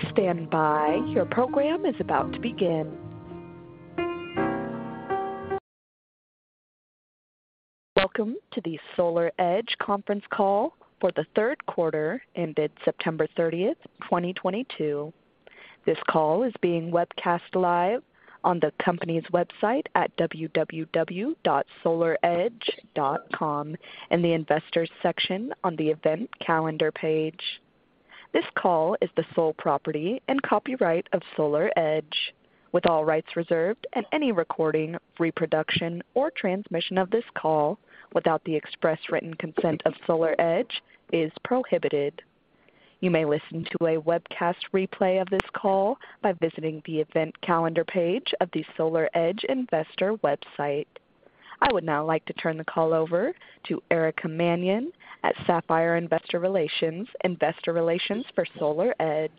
Please stand by. Your program is about to begin. Welcome to the SolarEdge conference call for the third quarter ended September 30, 2022. This call is being webcast live on the company's website at www.solaredge.com in the Investors section on the Event Calendar page. This call is the sole property and copyright of SolarEdge, with all rights reserved, and any recording, reproduction or transmission of this call without the express written consent of SolarEdge is prohibited. You may listen to a webcast replay of this call by visiting the Event Calendar page of the SolarEdge investor website. I would now like to turn the call over to Erica Mannion at Sapphire Investor Relations, investor relations for SolarEdge.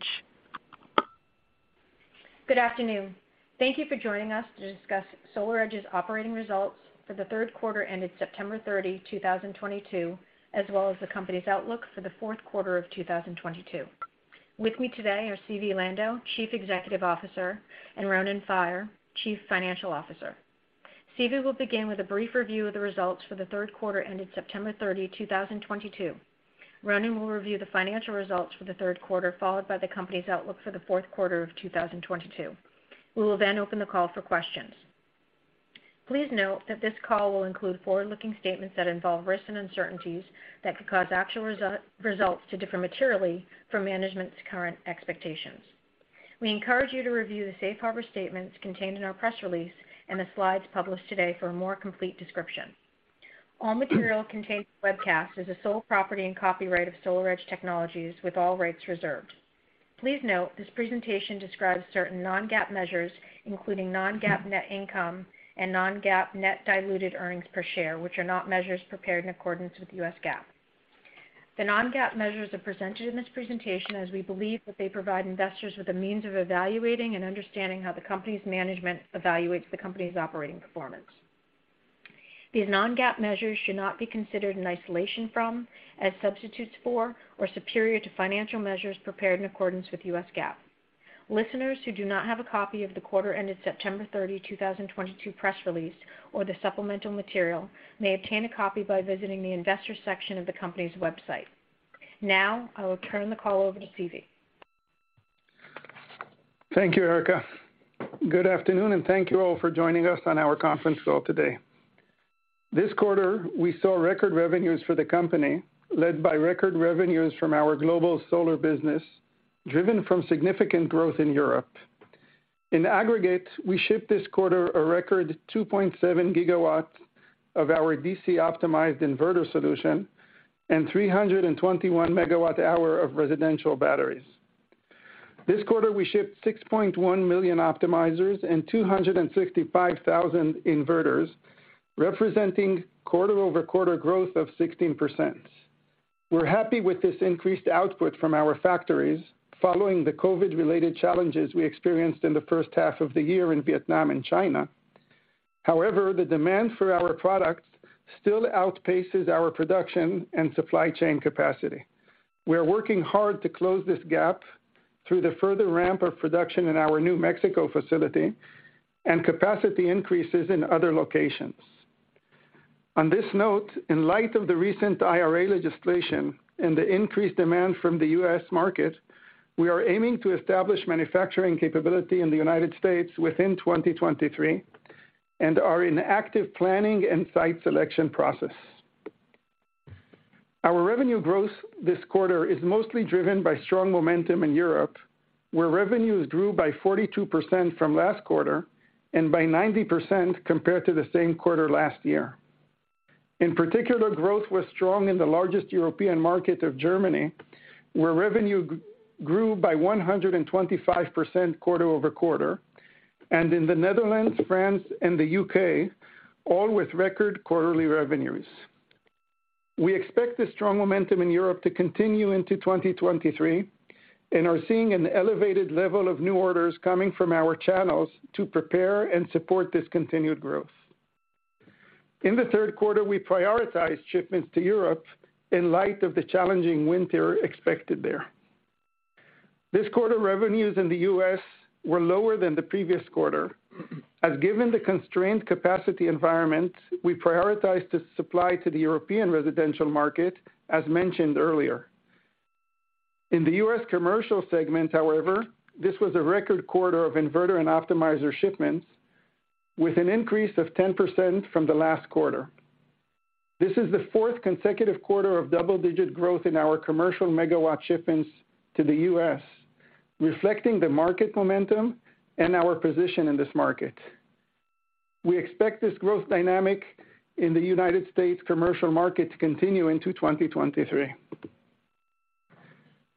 Good afternoon. Thank you for joining us to discuss SolarEdge's operating results for the third quarter ended September 30, 2022, as well as the company's outlook for the fourth quarter of 2022. With me today are Zvi Lando, Chief Executive Officer, and Ronen Faier, Chief Financial Officer. Zvi will begin with a brief review of the results for the third quarter ended September 30, 2022. Ronen will review the financial results for the third quarter, followed by the company's outlook for the fourth quarter of 2022. We will then open the call for questions. Please note that this call will include forward-looking statements that involve risks and uncertainties that could cause actual results to differ materially from management's current expectations. We encourage you to review the safe harbor statements contained in our press release and the slides published today for a more complete description. All material contained in this webcast is the sole property and copyright of SolarEdge Technologies, with all rights reserved. Please note, this presentation describes certain non-GAAP measures, including non-GAAP net income and non-GAAP net diluted earnings per share, which are not measures prepared in accordance with U.S. GAAP. The non-GAAP measures are presented in this presentation as we believe that they provide investors with a means of evaluating and understanding how the company's management evaluates the company's operating performance. These non-GAAP measures should not be considered in isolation from, as substitutes for, or superior to financial measures prepared in accordance with U.S. GAAP. Listeners who do not have a copy of the quarter ended September 30, 2022 press release or the supplemental material may obtain a copy by visiting the Investors section of the company's website. Now, I will turn the call over to Zvi Lando. Thank you, Erica. Good afternoon, and thank you all for joining us on our conference call today. This quarter, we saw record revenues for the company, led by record revenues from our global solar business, driven from significant growth in Europe. In aggregate, we shipped this quarter a record 2.7 GW of our DC-optimized inverter solution and 321 MWh of residential batteries. This quarter, we shipped 6.1 million optimizers and 265,000 inverters, representing quarter-over-quarter growth of 16%. We're happy with this increased output from our factories following the COVID-related challenges we experienced in the first half of the year in Vietnam and China. However, the demand for our products still outpaces our production and supply chain capacity. We are working hard to close this gap through the further ramp of production in our New Mexico facility and capacity increases in other locations. On this note, in light of the recent IRA legislation and the increased demand from the US market, we are aiming to establish manufacturing capability in the United States within 2023 and are in active planning and site selection process. Our revenue growth this quarter is mostly driven by strong momentum in Europe, where revenues grew by 42% from last quarter and by 90% compared to the same quarter last year. In particular, growth was strong in the largest European market of Germany, where revenue grew by 125% quarter-over-quarter, and in the Netherlands, France, and the UK, all with record quarterly revenues. We expect the strong momentum in Europe to continue into 2023 and are seeing an elevated level of new orders coming from our channels to prepare and support this continued growth. In the third quarter, we prioritized shipments to Europe in light of the challenging winter expected there. This quarter, revenues in the U.S. were lower than the previous quarter, as given the constrained capacity environment, we prioritized the supply to the European residential market, as mentioned earlier. In the U.S. commercial segment, however, this was a record quarter of inverter and optimizer shipments, with an increase of 10% from the last quarter. This is the fourth consecutive quarter of double-digit growth in our commercial megawatt shipments to the U.S., reflecting the market momentum and our position in this market. We expect this growth dynamic in the United States commercial market to continue into 2023.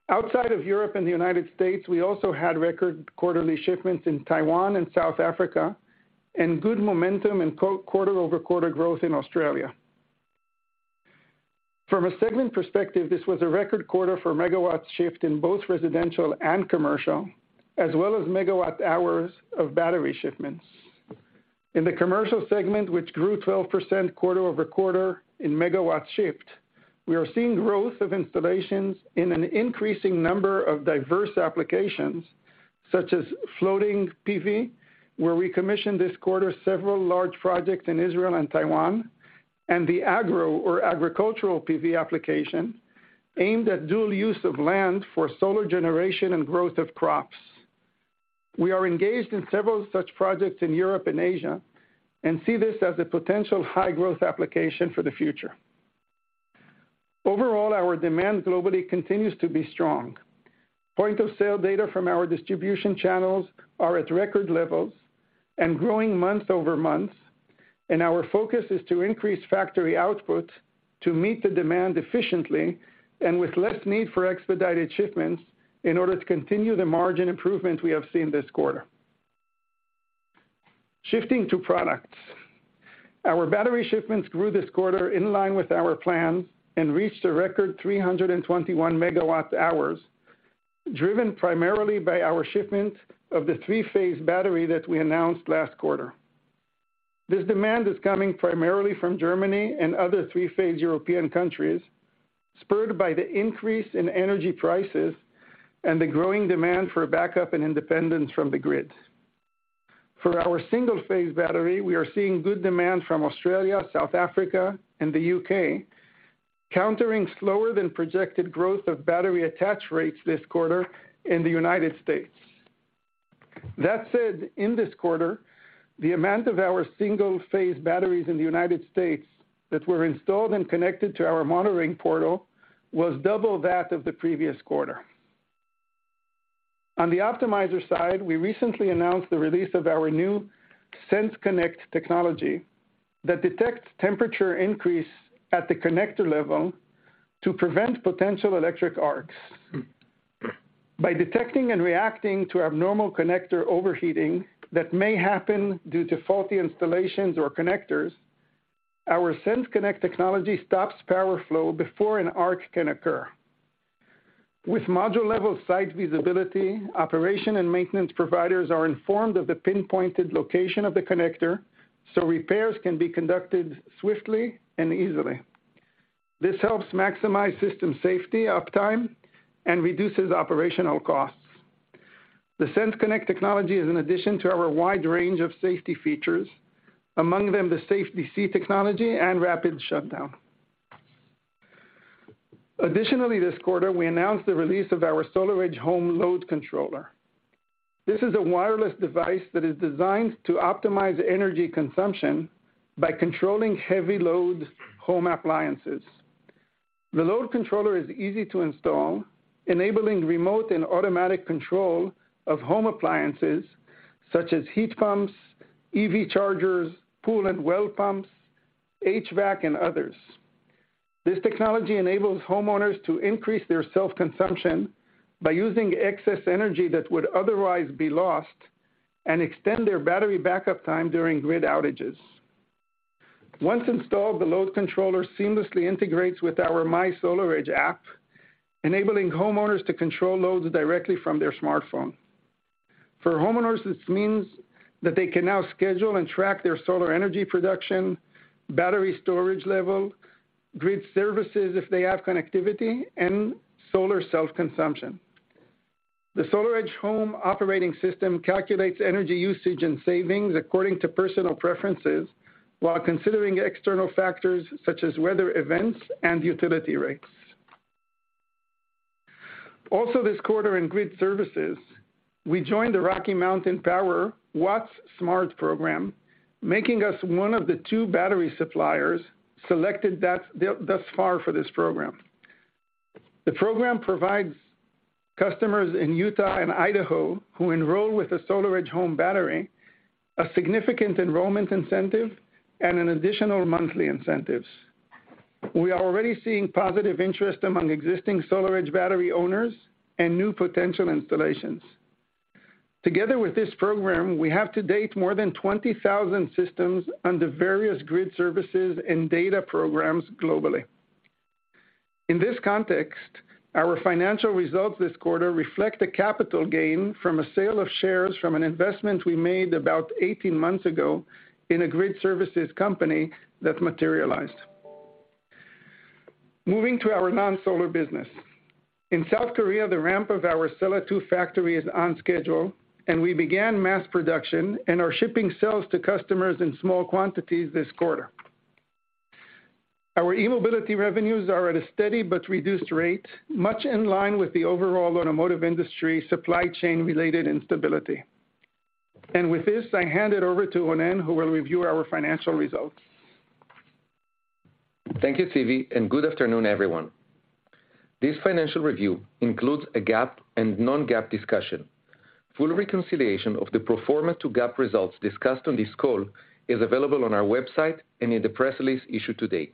Outside of Europe and the United States, we also had record quarterly shipments in Taiwan and South Africa and good momentum in quarter-over-quarter growth in Australia. From a segment perspective, this was a record quarter for megawatts shipped in both residential and commercial, as well as megawatt hours of battery shipments. In the commercial segment, which grew 12% quarter-over-quarter in megawatts shipped. We are seeing growth of installations in an increasing number of diverse applications, such as floating PV, where we commissioned this quarter several large projects in Israel and Taiwan, and the Agri-PV application aimed at dual use of land for solar generation and growth of crops. We are engaged in several such projects in Europe and Asia, and see this as a potential high growth application for the future. Overall, our demand globally continues to be strong. Point of sale data from our distribution channels are at record levels and growing month-over-month, and our focus is to increase factory output to meet the demand efficiently and with less need for expedited shipments in order to continue the margin improvement we have seen this quarter. Shifting to products. Our battery shipments grew this quarter in line with our plans and reached a record 321 MWh, driven primarily by our shipment of the three-phase battery that we announced last quarter. This demand is coming primarily from Germany and other three-phase European countries, spurred by the increase in energy prices and the growing demand for backup and independence from the grid. For our single-phase battery, we are seeing good demand from Australia, South Africa, and the U.K., countering slower than projected growth of battery attach rates this quarter in the United States. That said, in this quarter, the amount of our single-phase batteries in the United States that were installed and connected to our monitoring portal was double that of the previous quarter. On the optimizer side, we recently announced the release of our new SenseConnect technology that detects temperature increase at the connector level to prevent potential electric arcs. By detecting and reacting to abnormal connector overheating that may happen due to faulty installations or connectors, our SenseConnect technology stops power flow before an arc can occur. With module-level site visibility, operation and maintenance providers are informed of the pinpointed location of the connector so repairs can be conducted swiftly and easily. This helps maximize system safety uptime and reduces operational costs. The SenseConnect technology is an addition to our wide range of safety features, among them the SafeDC technology and rapid shutdown. Additionally, this quarter, we announced the release of our SolarEdge Home Load Controller. This is a wireless device that is designed to optimize energy consumption by controlling heavy load home appliances. The load controller is easy to install, enabling remote and automatic control of home appliances such as heat pumps, EV chargers, pool and well pumps, HVAC, and others. This technology enables homeowners to increase their self-consumption by using excess energy that would otherwise be lost and extend their battery backup time during grid outages. Once installed, the load controller seamlessly integrates with our mySolarEdge app, enabling homeowners to control loads directly from their smartphone. For homeowners, this means that they can now schedule and track their solar energy production, battery storage level, grid services if they have connectivity, and solar self-consumption. The SolarEdge Home operating system calculates energy usage and savings according to personal preferences while considering external factors such as weather events and utility rates. Also this quarter in grid services, we joined the Rocky Mountain Power Wattsmart program, making us one of the two battery suppliers selected thus far for this program. The program provides customers in Utah and Idaho who enroll with the SolarEdge Home Battery, a significant enrollment incentive and an additional monthly incentives. We are already seeing positive interest among existing SolarEdge battery owners and new potential installations. Together with this program, we have to date more than 20,000 systems under various grid services and data programs globally. In this context, our financial results this quarter reflect a capital gain from a sale of shares from an investment we made about 18 months ago in a grid services company that materialized. Moving to our non-solar business. In South Korea, the ramp of our Sella 2 factory is on schedule, and we began mass production and are shipping cells to customers in small quantities this quarter. Our e-Mobility revenues are at a steady but reduced rate, much in line with the overall automotive industry supply chain related instability. With this, I hand it over to Ronen, who will review our financial results. Thank you, Zvi, and good afternoon, everyone. This financial review includes a GAAP and non-GAAP discussion. Full reconciliation of the pro forma to GAAP results discussed on this call is available on our website and in the press release issued today.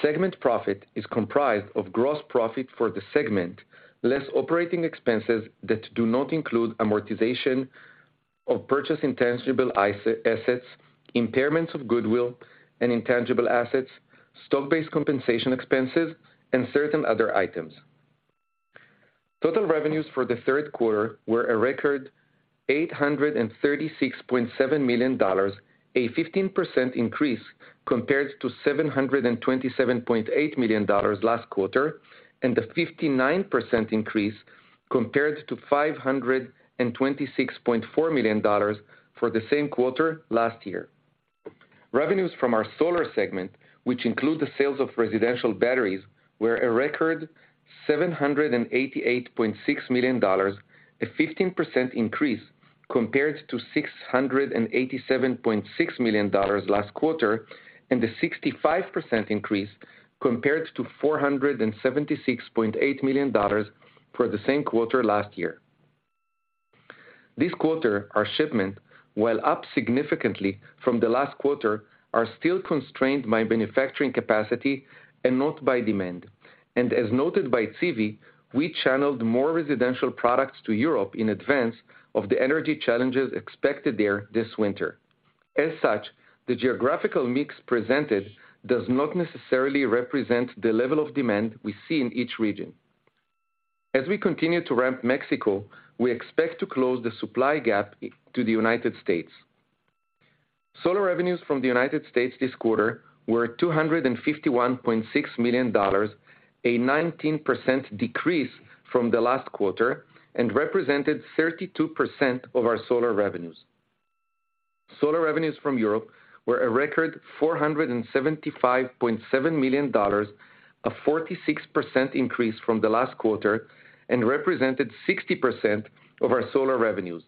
Segment profit is comprised of gross profit for the segment, less operating expenses that do not include amortization of purchased intangible assets, impairments of goodwill and intangible assets, stock-based compensation expenses, and certain other items. Total revenues for the third quarter were a record $836.7 million, a 15% increase compared to $727.8 million last quarter, and a 59% increase compared to $526.4 million for the same quarter last year. Revenues from our solar segment, which include the sales of residential batteries, were a record $788.6 million, a 15% increase compared to $687.6 million last quarter, and a 65% increase compared to $476.8 million for the same quarter last year. This quarter, our shipment, while up significantly from the last quarter, are still constrained by manufacturing capacity and not by demand. As noted by Zvi, we channeled more residential products to Europe in advance of the energy challenges expected there this winter. As such, the geographical mix presented does not necessarily represent the level of demand we see in each region. As we continue to ramp Mexico, we expect to close the supply gap to the United States. Solar revenues from the United States this quarter were $251.6 million, a 19% decrease from the last quarter and represented 32% of our solar revenues. Solar revenues from Europe were a record $475.7 million, a 46% increase from the last quarter and represented 60% of our solar revenues.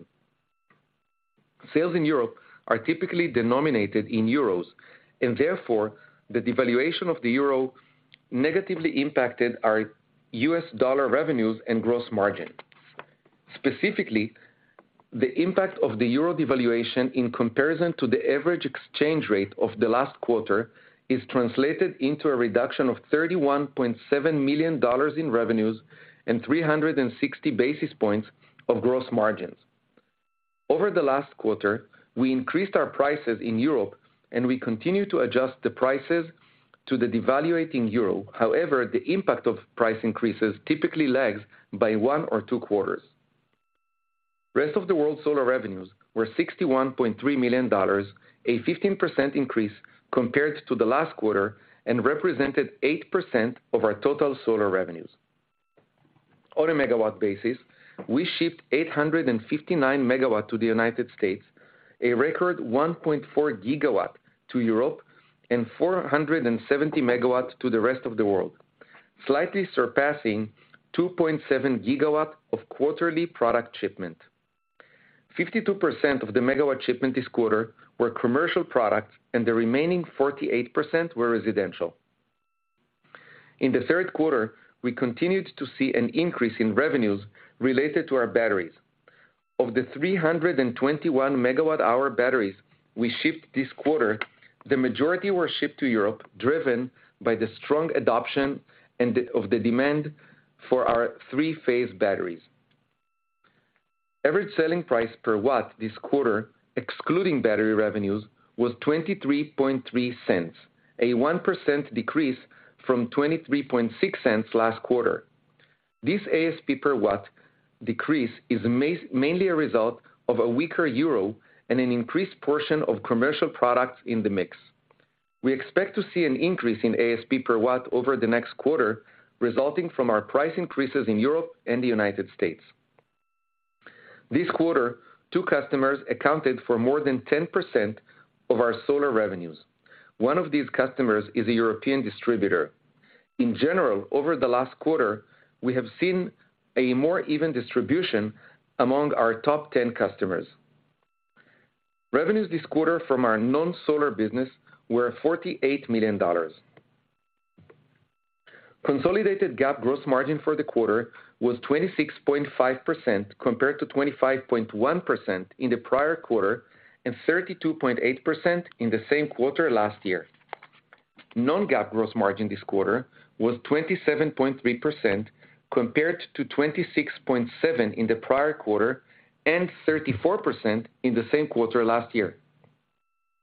Sales in Europe are typically denominated in euros, and therefore, the devaluation of the euro negatively impacted our U.S. dollar revenues and gross margin. Specifically, the impact of the euro devaluation in comparison to the average exchange rate of the last quarter is translated into a reduction of $31.7 million in revenues and 360 basis points of gross margins. Over the last quarter, we increased our prices in Europe, and we continue to adjust the prices to the devaluing euro. However, the impact of price increases typically lags by one or two quarters. Rest of the world solar revenues were $61.3 million, a 15% increase compared to the last quarter and represented 8% of our total solar revenues. On a megawatt basis, we shipped 859 MW to the United States, a record 1.4 GW to Europe, and 470 MW to the rest of the world, slightly surpassing 2.7 GW of quarterly product shipment. 52% of the megawatt shipment this quarter were commercial products, and the remaining 48% were residential. In the third quarter, we continued to see an increase in revenues related to our batteries. Of the 321 MWh batteries we shipped this quarter, the majority were shipped to Europe, driven by the strong adoption and the demand for our three-phase batteries. Average selling price per watt this quarter, excluding battery revenues, was $0.233, a 1% decrease from $0.236 last quarter. This ASP per watt decrease is mainly a result of a weaker euro and an increased portion of commercial products in the mix. We expect to see an increase in ASP per watt over the next quarter, resulting from our price increases in Europe and the United States. This quarter, two customers accounted for more than 10% of our solar revenues. One of these customers is a European distributor. In general, over the last quarter, we have seen a more even distribution among our top 10 customers. Revenues this quarter from our non-solar business were $48 million. Consolidated GAAP gross margin for the quarter was 26.5% compared to 25.1% in the prior quarter and 32.8% in the same quarter last year. Non-GAAP gross margin this quarter was 27.3% compared to 26.7% in the prior quarter and 34% in the same quarter last year.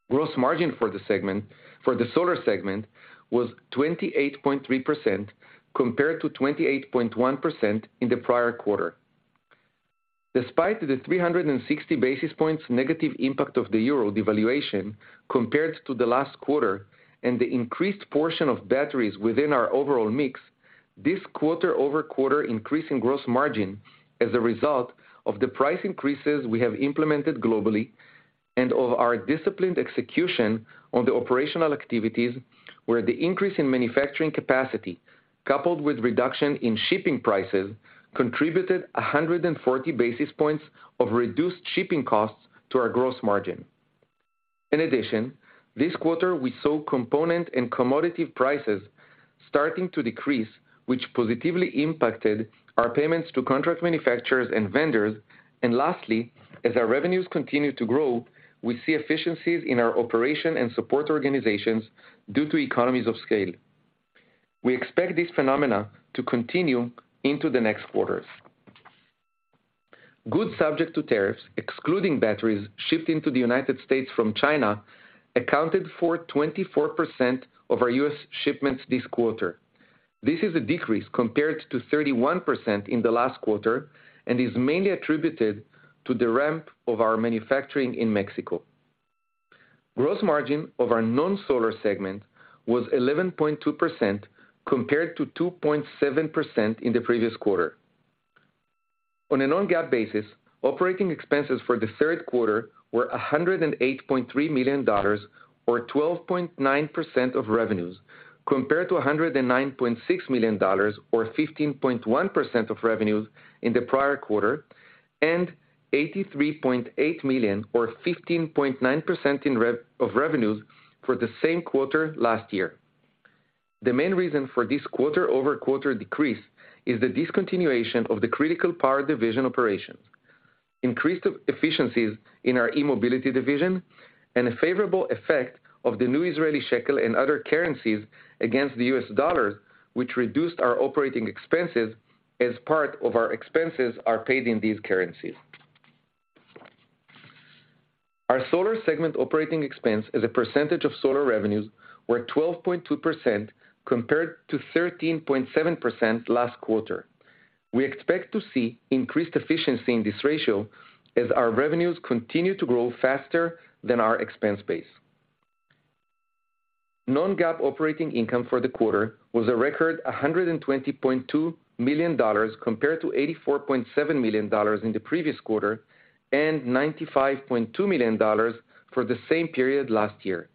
Gross margin for the solar segment was 28.3% compared to 28.1% in the prior quarter. Despite the 360 basis points negative impact of the euro devaluation compared to the last quarter and the increased portion of batteries within our overall mix, this quarter-over-quarter increase in gross margin is a result of the price increases we have implemented globally and of our disciplined execution on the operational activities, where the increase in manufacturing capacity, coupled with reduction in shipping prices, contributed 140 basis points of reduced shipping costs to our gross margin. In addition, this quarter, we saw component and commodity prices starting to decrease, which positively impacted our payments to contract manufacturers and vendors. Lastly, as our revenues continue to grow, we see efficiencies in our operation and support organizations due to economies of scale. We expect this phenomenon to continue into the next quarters. Goods subject to tariffs, excluding batteries shipped into the United States from China, accounted for 24% of our US shipments this quarter. This is a decrease compared to 31% in the last quarter, and is mainly attributed to the ramp of our manufacturing in Mexico. Gross margin of our non-solar segment was 11.2%, compared to 2.7% in the previous quarter. On a non-GAAP basis, operating expenses for the third quarter were $108.3 million, or 12.9% of revenues, compared to $109.6 million or 15.1% of revenues in the prior quarter, and $83.8 million or 15.9% of revenues for the same quarter last year. The main reason for this quarter-over-quarter decrease is the discontinuation of the Critical Power division operations, increased efficiencies in our e-Mobility division, and a favorable effect of the new Israeli shekel and other currencies against the US dollar, which reduced our operating expenses as part of our expenses are paid in these currencies. Our solar segment operating expense as a percentage of solar revenues were 12.2% compared to 13.7% last quarter. We expect to see increased efficiency in this ratio as our revenues continue to grow faster than our expense base. non-GAAP operating income for the quarter was a record $120.2 million, compared to $84.7 million in the previous quarter and $95.2 million for the same period last year.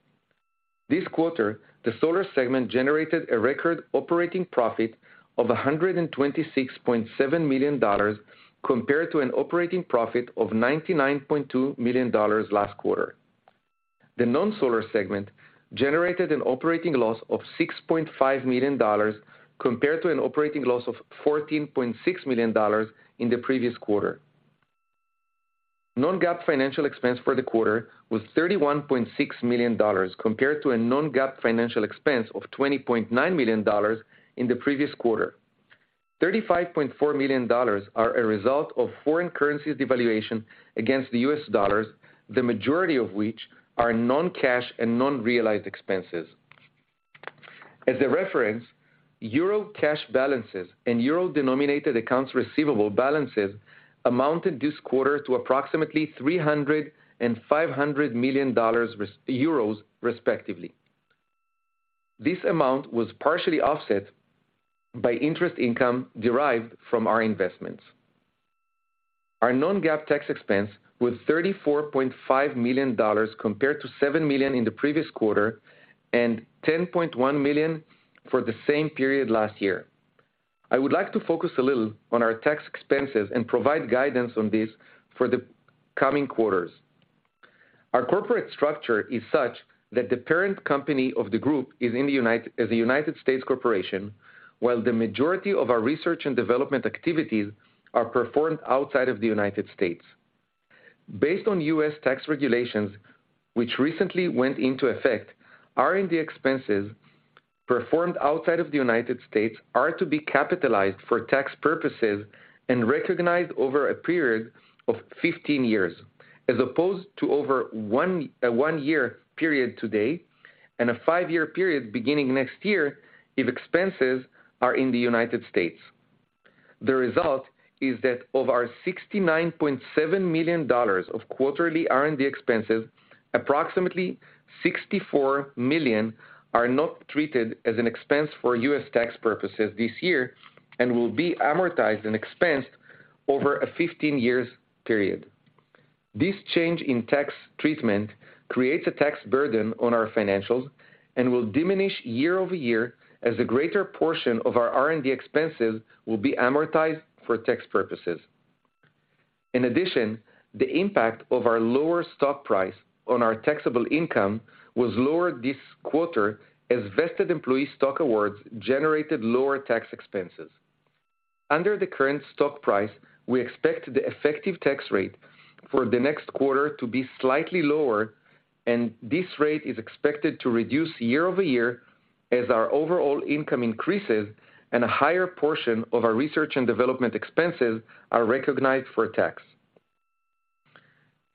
This quarter, the solar segment generated a record operating profit of $126.7 million, compared to an operating profit of $99.2 million last quarter. The non-solar segment generated an operating loss of $6.5 million, compared to an operating loss of $14.6 million in the previous quarter. Non-GAAP financial expense for the quarter was $31.6 million, compared to a non-GAAP financial expense of $20.9 million in the previous quarter. $35.4 million are a result of foreign currency devaluation against the U.S. dollar, the majority of which are non-cash and non-realized expenses. As a reference, euro cash balances and euro-denominated accounts receivable balances amounted this quarter to approximately 300 and EUR 500 millions respectively. This amount was partially offset by interest income derived from our investments. Our non-GAAP tax expense was $34.5 million, compared to $7 million in the previous quarter and $10.1 million for the same period last year. I would like to focus a little on our tax expenses and provide guidance on this for the coming quarters. Our corporate structure is such that the parent company of the group is a United States corporation, while the majority of our research and development activities are performed outside of the United States. Based on U.S. tax regulations, which recently went into effect, R&D expenses performed outside of the United States are to be capitalized for tax purposes and recognized over a period of 15 years, as opposed to over one year period today and a 5-year period beginning next year if expenses are in the United States. The result is that of our $69.7 million of quarterly R&D expenses, approximately $64 million are not treated as an expense for U.S. tax purposes this year and will be amortized and expensed over a 15 years period. This change in tax treatment creates a tax burden on our financials and will diminish year-over-year as a greater portion of our R&D expenses will be amortized for tax purposes. In addition, the impact of our lower stock price on our taxable income was lower this quarter as vested employee stock awards generated lower tax expenses. Under the current stock price, we expect the effective tax rate for the next quarter to be slightly lower, and this rate is expected to reduce year over year as our overall income increases and a higher portion of our research and development expenses are recognized for tax.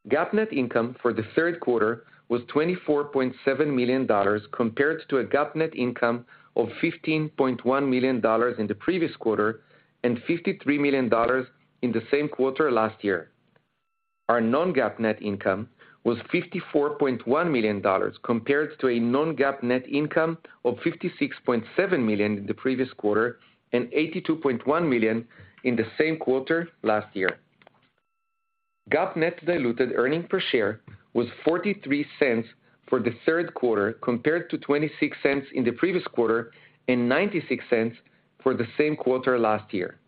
GAAP net income for the third quarter was $24.7 million compared to a GAAP net income of $15.1 million in the previous quarter and $53 million in the same quarter last year. Our non-GAAP net income was $54.1 million compared to a non-GAAP net income of $56.7 million in the previous quarter and $82.1 million in the same quarter last year. GAAP net diluted earnings per share was $0.43 for the third quarter, compared to $0.26 in the previous quarter and $0.96 for the same quarter last year.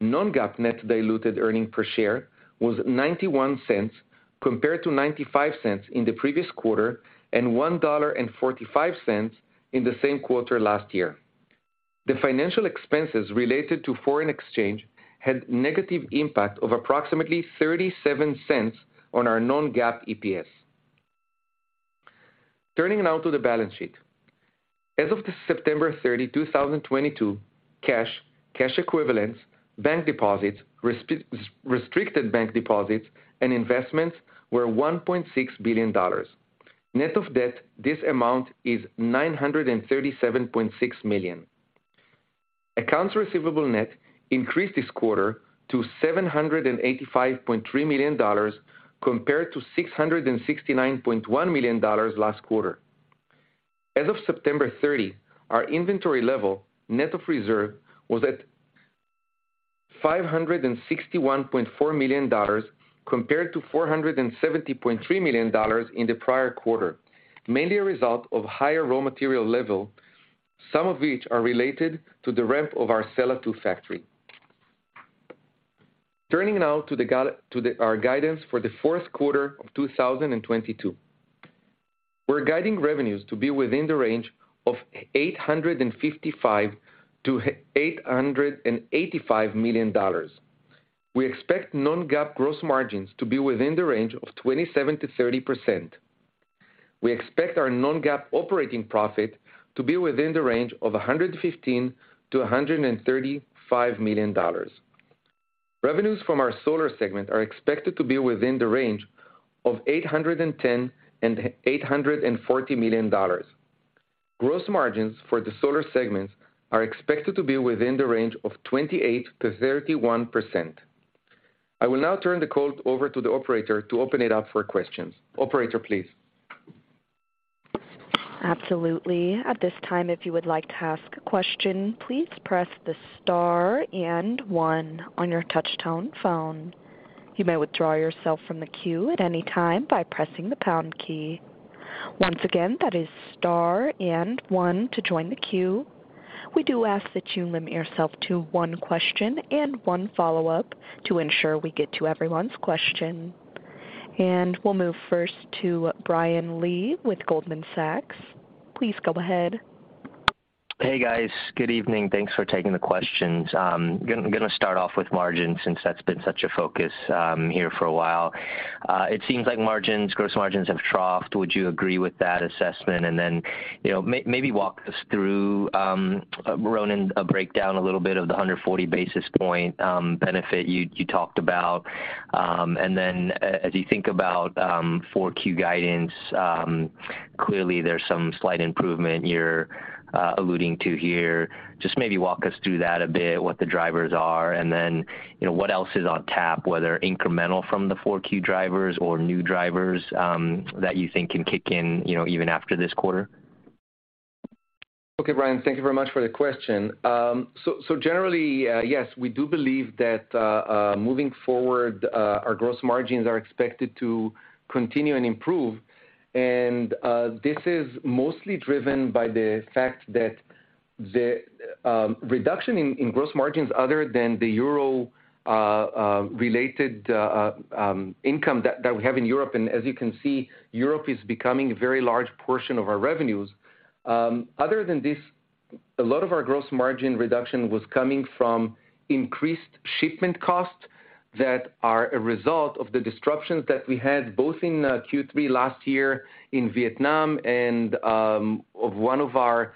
Non-GAAP net diluted earnings per share was $0.91, compared to $0.95 in the previous quarter and $1.45 in the same quarter last year. The financial expenses related to foreign exchange had negative impact of approximately $0.37 on our non-GAAP EPS. Turning now to the balance sheet. As of September 30, 2022, cash equivalents, bank deposits, restricted bank deposits, and investments were $1.6 billion. Net of debt, this amount is $937.6 million. Accounts receivable net increased this quarter to $785.3 million compared to $669.1 million last quarter. As of September 30, our inventory level net of reserve was at $561.4 million compared to $470.3 million in the prior quarter, mainly a result of higher raw material level, some of which are related to the ramp of our Sella 2 factory. Turning now to our guidance for the fourth quarter of 2022. We're guiding revenues to be within the range of $855 million-$885 million. We expect non-GAAP gross margins to be within the range of 27%-30%. We expect our non-GAAP operating profit to be within the range of $115 million-$135 million. Revenues from our solar segment are expected to be within the range of $810 million-$840 million. Gross margins for the solar segments are expected to be within the range of 28%-31%. I will now turn the call over to the operator to open it up for questions. Operator, please. Absolutely. At this time, if you would like to ask a question, please press the star and one on your touchtone phone. You may withdraw yourself from the queue at any time by pressing the pound key. Once again, that is star and one to join the queue. We do ask that you limit yourself to one question and one follow-up to ensure we get to everyone's question. We'll move first to Brian Lee with Goldman Sachs. Please go ahead. Hey, guys. Good evening. Thanks for taking the questions. Gonna start off with margins since that's been such a focus here for a while. It seems like margins, gross margins have troughed. Would you agree with that assessment? You know, maybe walk us through, Ronen, a breakdown a little bit of the 140 basis point benefit you talked about. As you think about 4Q guidance, clearly there's some slight improvement you're alluding to here. Just maybe walk us through that a bit, what the drivers are, and then you know what else is on tap, whether incremental from the 4Q drivers or new drivers that you think can kick in you know even after this quarter? Okay, Brian, thank you very much for the question. Generally, yes, we do believe that moving forward our gross margins are expected to continue and improve. This is mostly driven by the fact that the reduction in gross margins other than the euro-related income that we have in Europe, and as you can see, Europe is becoming a very large portion of our revenues. Other than this, a lot of our gross margin reduction was coming from increased shipment costs that are a result of the disruptions that we had both in Q3 last year in Vietnam and of one of our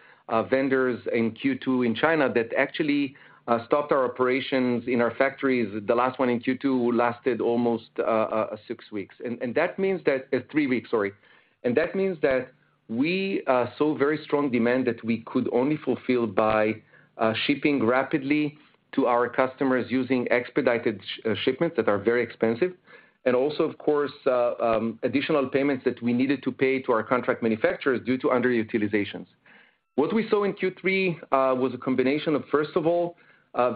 vendors in Q2 in China that actually stopped our operations in our factories. The last one in Q2 lasted almost six weeks. That means that we saw very strong demand that we could only fulfill by shipping rapidly to our customers using expedited shipments that are very expensive. Also, of course, additional payments that we needed to pay to our contract manufacturers due to underutilizations. What we saw in Q3 was a combination of, first of all,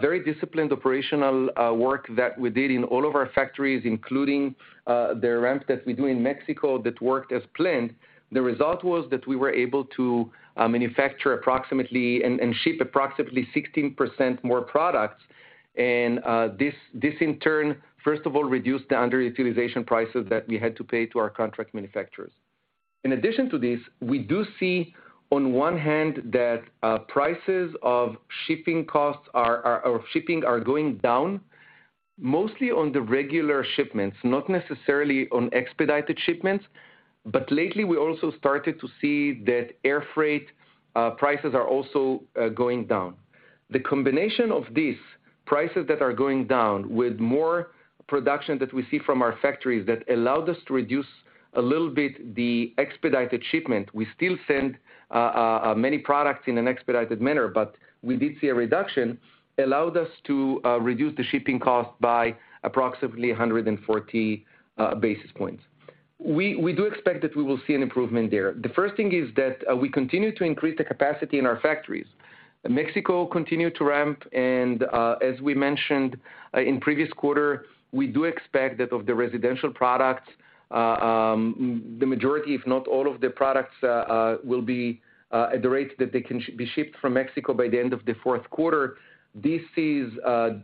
very disciplined operational work that we did in all of our factories, including the ramps that we do in Mexico that worked as planned. The result was that we were able to manufacture approximately and ship approximately 16% more products. This, in turn, first of all, reduced the underutilization prices that we had to pay to our contract manufacturers. In addition to this, we do see on one hand that prices of shipping costs are going down mostly on the regular shipments, not necessarily on expedited shipments. Lately we also started to see that air freight prices are also going down. The combination of this prices that are going down with more production that we see from our factories that allowed us to reduce a little bit the expedited shipment. We still send many products in an expedited manner, but we did see a reduction allowed us to reduce the shipping cost by approximately 140 basis points. We do expect that we will see an improvement there. The first thing is that we continue to increase the capacity in our factories. Mexico continued to ramp and, as we mentioned, in previous quarter, we do expect that of the residential products, the majority, if not all of the products, will be at the rate that they can be shipped from Mexico by the end of the fourth quarter. This is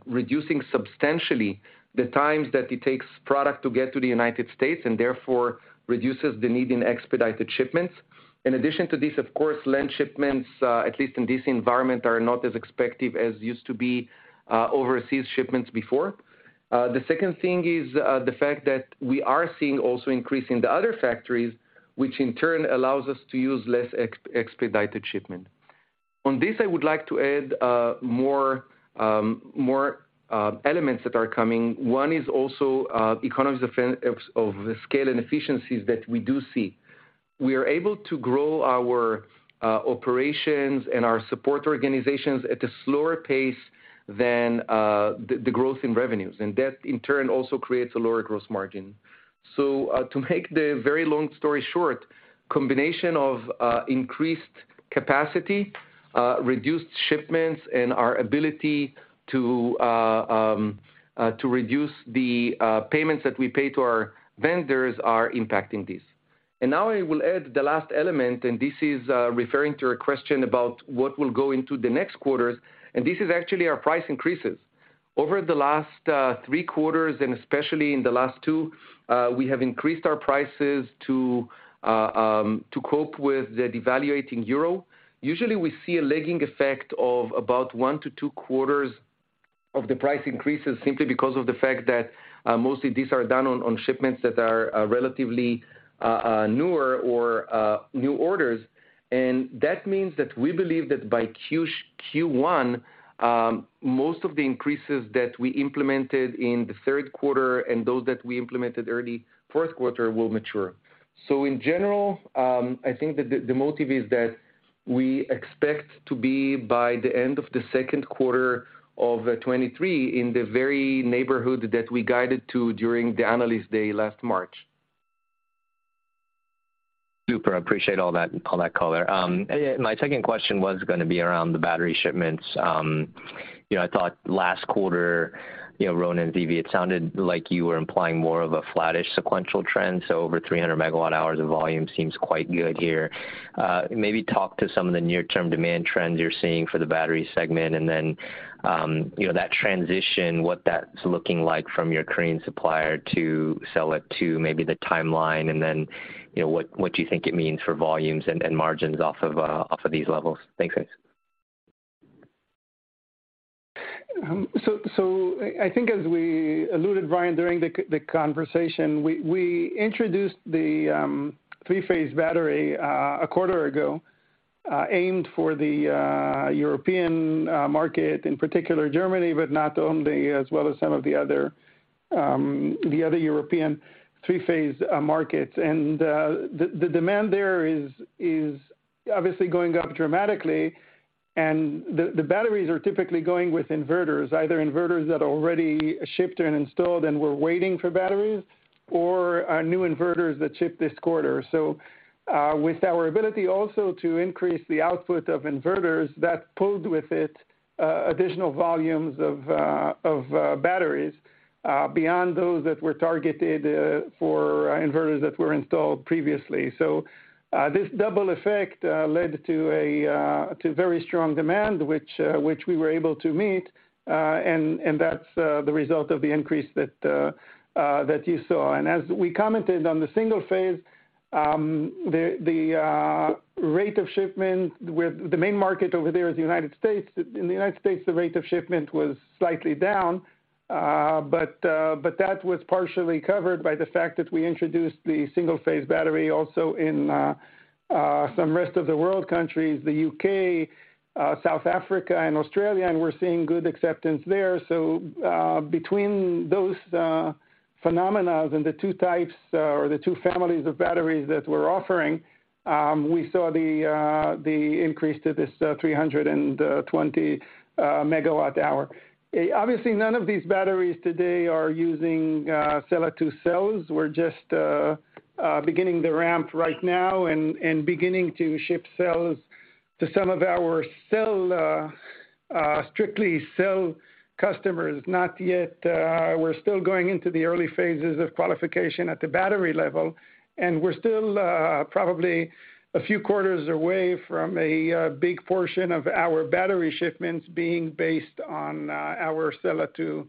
reducing substantially the times that it takes product to get to the United States and therefore reduces the need in expedited shipments. In addition to this, of course, land shipments, at least in this environment, are not as expensive as used to be, overseas shipments before. The second thing is the fact that we are seeing also increase in the other factories, which in turn allows us to use less expedited shipment. On this, I would like to add more elements that are coming. One is also economies of scale and efficiencies that we do see. We are able to grow our operations and our support organizations at a slower pace than the growth in revenues. That, in turn, also creates a lower gross margin. To make the very long story short, combination of increased capacity, reduced shipments, and our ability to reduce the payments that we pay to our vendors are impacting this. Now I will add the last element, and this is referring to your question about what will go into the next quarters, and this is actually our price increases. Over the last three quarters and especially in the last two, we have increased our prices to cope with the devaluing euro. Usually, we see a lagging effect of about one to two quarters of the price increases simply because of the fact that mostly these are done on shipments that are relatively newer or new orders. That means that we believe that by Q1, most of the increases that we implemented in the third quarter and those that we implemented early fourth quarter will mature. In general, I think that the motive is that we expect to be, by the end of the second quarter of 2023, in the very neighborhood that we guided to during the analyst day last March. Super. I appreciate all that, all that color. My second question was gonna be around the battery shipments. You know, I thought last quarter, you know, Ronen and Zvi, it sounded like you were implying more of a flattish sequential trend, so over 300 MWh of volume seems quite good here. Maybe talk to some of the near-term demand trends you're seeing for the battery segment and then, you know, that transition, what that's looking like from your Korean supplier to Sella 2, maybe the timeline and then, you know, what do you think it means for volumes and margins off of these levels? Thanks, guys. I think as we alluded, Brian, during the conversation, we introduced the three-phase battery a quarter ago, aimed for the European market, in particular Germany, but not only as well as some of the other European three-phase markets. The demand there is obviously going up dramatically, and the batteries are typically going with inverters, either inverters that already shipped and installed and were waiting for batteries or new inverters that ship this quarter. With our ability also to increase the output of inverters, that pulled with it additional volumes of batteries beyond those that were targeted for inverters that were installed previously. This double effect led to very strong demand, which we were able to meet, and that's the result of the increase that you saw. As we commented on the single-phase, the rate of shipment with the main market over there is the United States. In the United States, the rate of shipment was slightly down, but that was partially covered by the fact that we introduced the single-phase battery also in some rest of the world countries, the UK, South Africa and Australia, and we're seeing good acceptance there. Between those phenomena and the two types or the two families of batteries that we're offering, we saw the increase to this 320 MWh. Obviously, none of these batteries today are using Sella 2 cells. We're just beginning the ramp right now and beginning to ship cells to some of our strictly cell customers, not yet. We're still going into the early phases of qualification at the battery level, and we're still probably a few quarters away from a big portion of our battery shipments being based on our Sella 2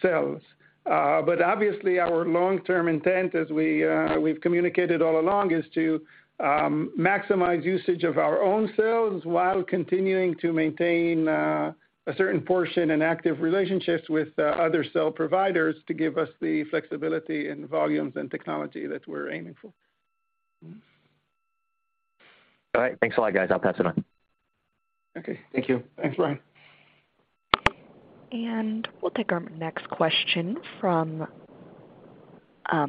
cells. Obviously, our long-term intent, as we've communicated all along, is to maximize usage of our own cells while continuing to maintain a certain portion and active relationships with other cell providers to give us the flexibility and volumes and technology that we're aiming for. All right. Thanks a lot, guys. I'll pass it on. Okay. Thank you. Thanks, Brian. We'll take our next question from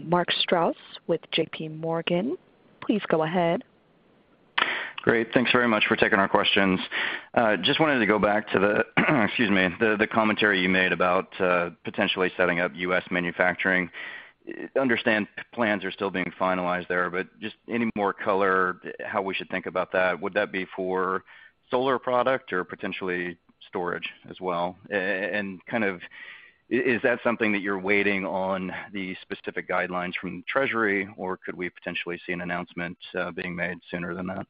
Mark Strouse with J.P. Morgan. Please go ahead. Great. Thanks very much for taking our questions. Just wanted to go back to the commentary you made about potentially setting up U.S. manufacturing. Understand plans are still being finalized there, but just any more color on how we should think about that? Would that be for solar product or potentially storage as well? Is that something that you're waiting on the specific guidelines from Treasury, or could we potentially see an announcement being made sooner than that?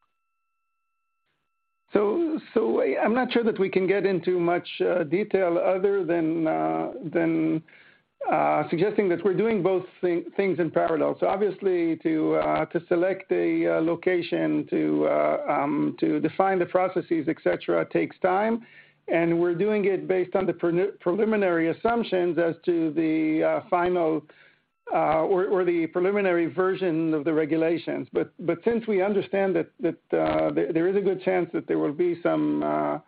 I'm not sure that we can get into much detail other than suggesting that we're doing both things in parallel. Obviously, to select a location to define the processes, et cetera, takes time, and we're doing it based on the preliminary assumptions as to the final, or the preliminary version of the regulations. Since we understand that there is a good chance that there will be some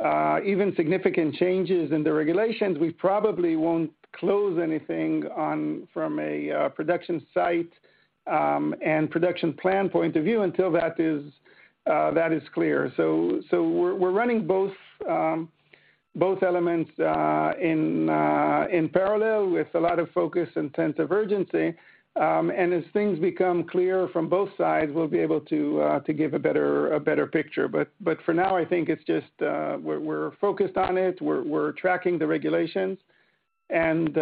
even significant changes in the regulations, we probably won't close anything on from a production site and production plan point of view until that is clear. We're running both elements in parallel with a lot of focus and sense of urgency. As things become clear from both sides, we'll be able to give a better picture. For now, I think it's just we're focused on it. We're tracking the regulations and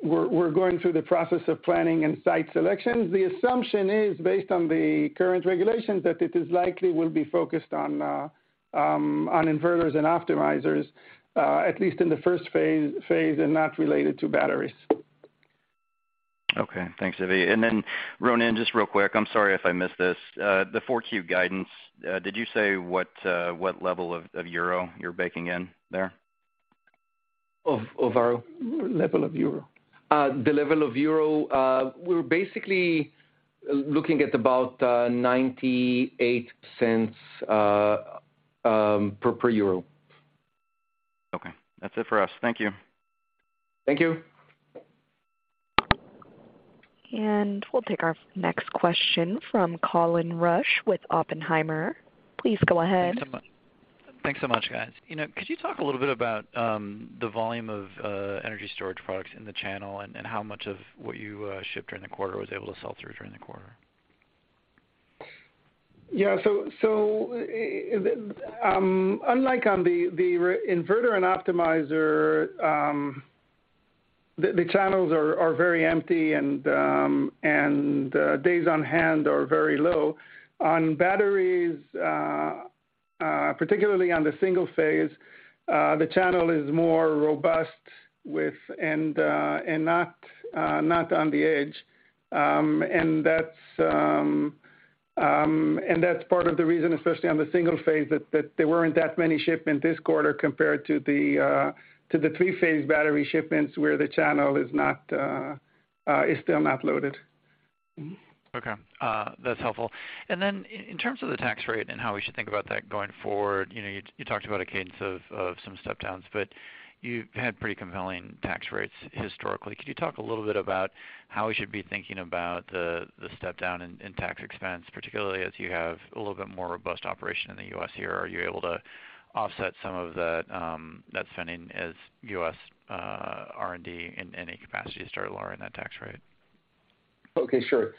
we're going through the process of planning and site selections. The assumption is based on the current regulations, that it is likely we'll be focused on inverters and optimizers at least in the first phase and not related to batteries. Okay. Thanks, Zvi. Ronen, just real quick, I'm sorry if I missed this, the Q4 guidance, did you say what level of euro you're baking in there? Of our? Level of euro. The level of euro, we're basically looking at about $0.98 per euro. Okay. That's it for us. Thank you. Thank you. We'll take our next question from Colin Rusch with Oppenheimer. Please go ahead. Thanks so much, guys. You know, could you talk a little bit about the volume of energy storage products in the channel and how much of what you shipped during the quarter was able to sell through during the quarter? Yeah. Unlike on the inverter and optimizer, the channels are very empty and days on hand are very low. On batteries, particularly on the single-phase, the channel is more robust and not on the edge. That's part of the reason, especially on the single-phase, that there weren't that many shipment this quarter compared to the three-phase battery shipments where the channel is still not loaded. Okay. That's helpful. Then in terms of the tax rate and how we should think about that going forward, you know, you talked about a cadence of some step downs, but you've had pretty compelling tax rates historically. Could you talk a little bit about how we should be thinking about the step down in tax expense, particularly as you have a little bit more robust operation in the U.S. here? Are you able to offset some of that spending as U.S. R&D in any capacity to start lowering that tax rate? Okay, sure.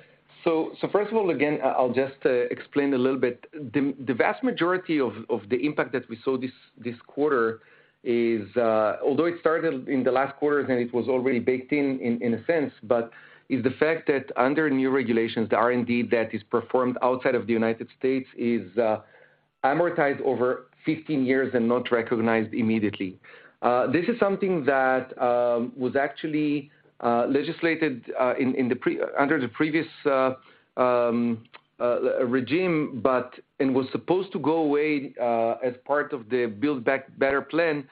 First of all, again, I'll just explain a little bit. The vast majority of the impact that we saw this quarter is, although it started in the last quarter and it was already baked in a sense, but is the fact that under new regulations, the R&D that is performed outside of the United States is amortized over 15 years and not recognized immediately. This is something that was actually legislated under the previous regime, and was supposed to go away as part of the Build Back Better plan.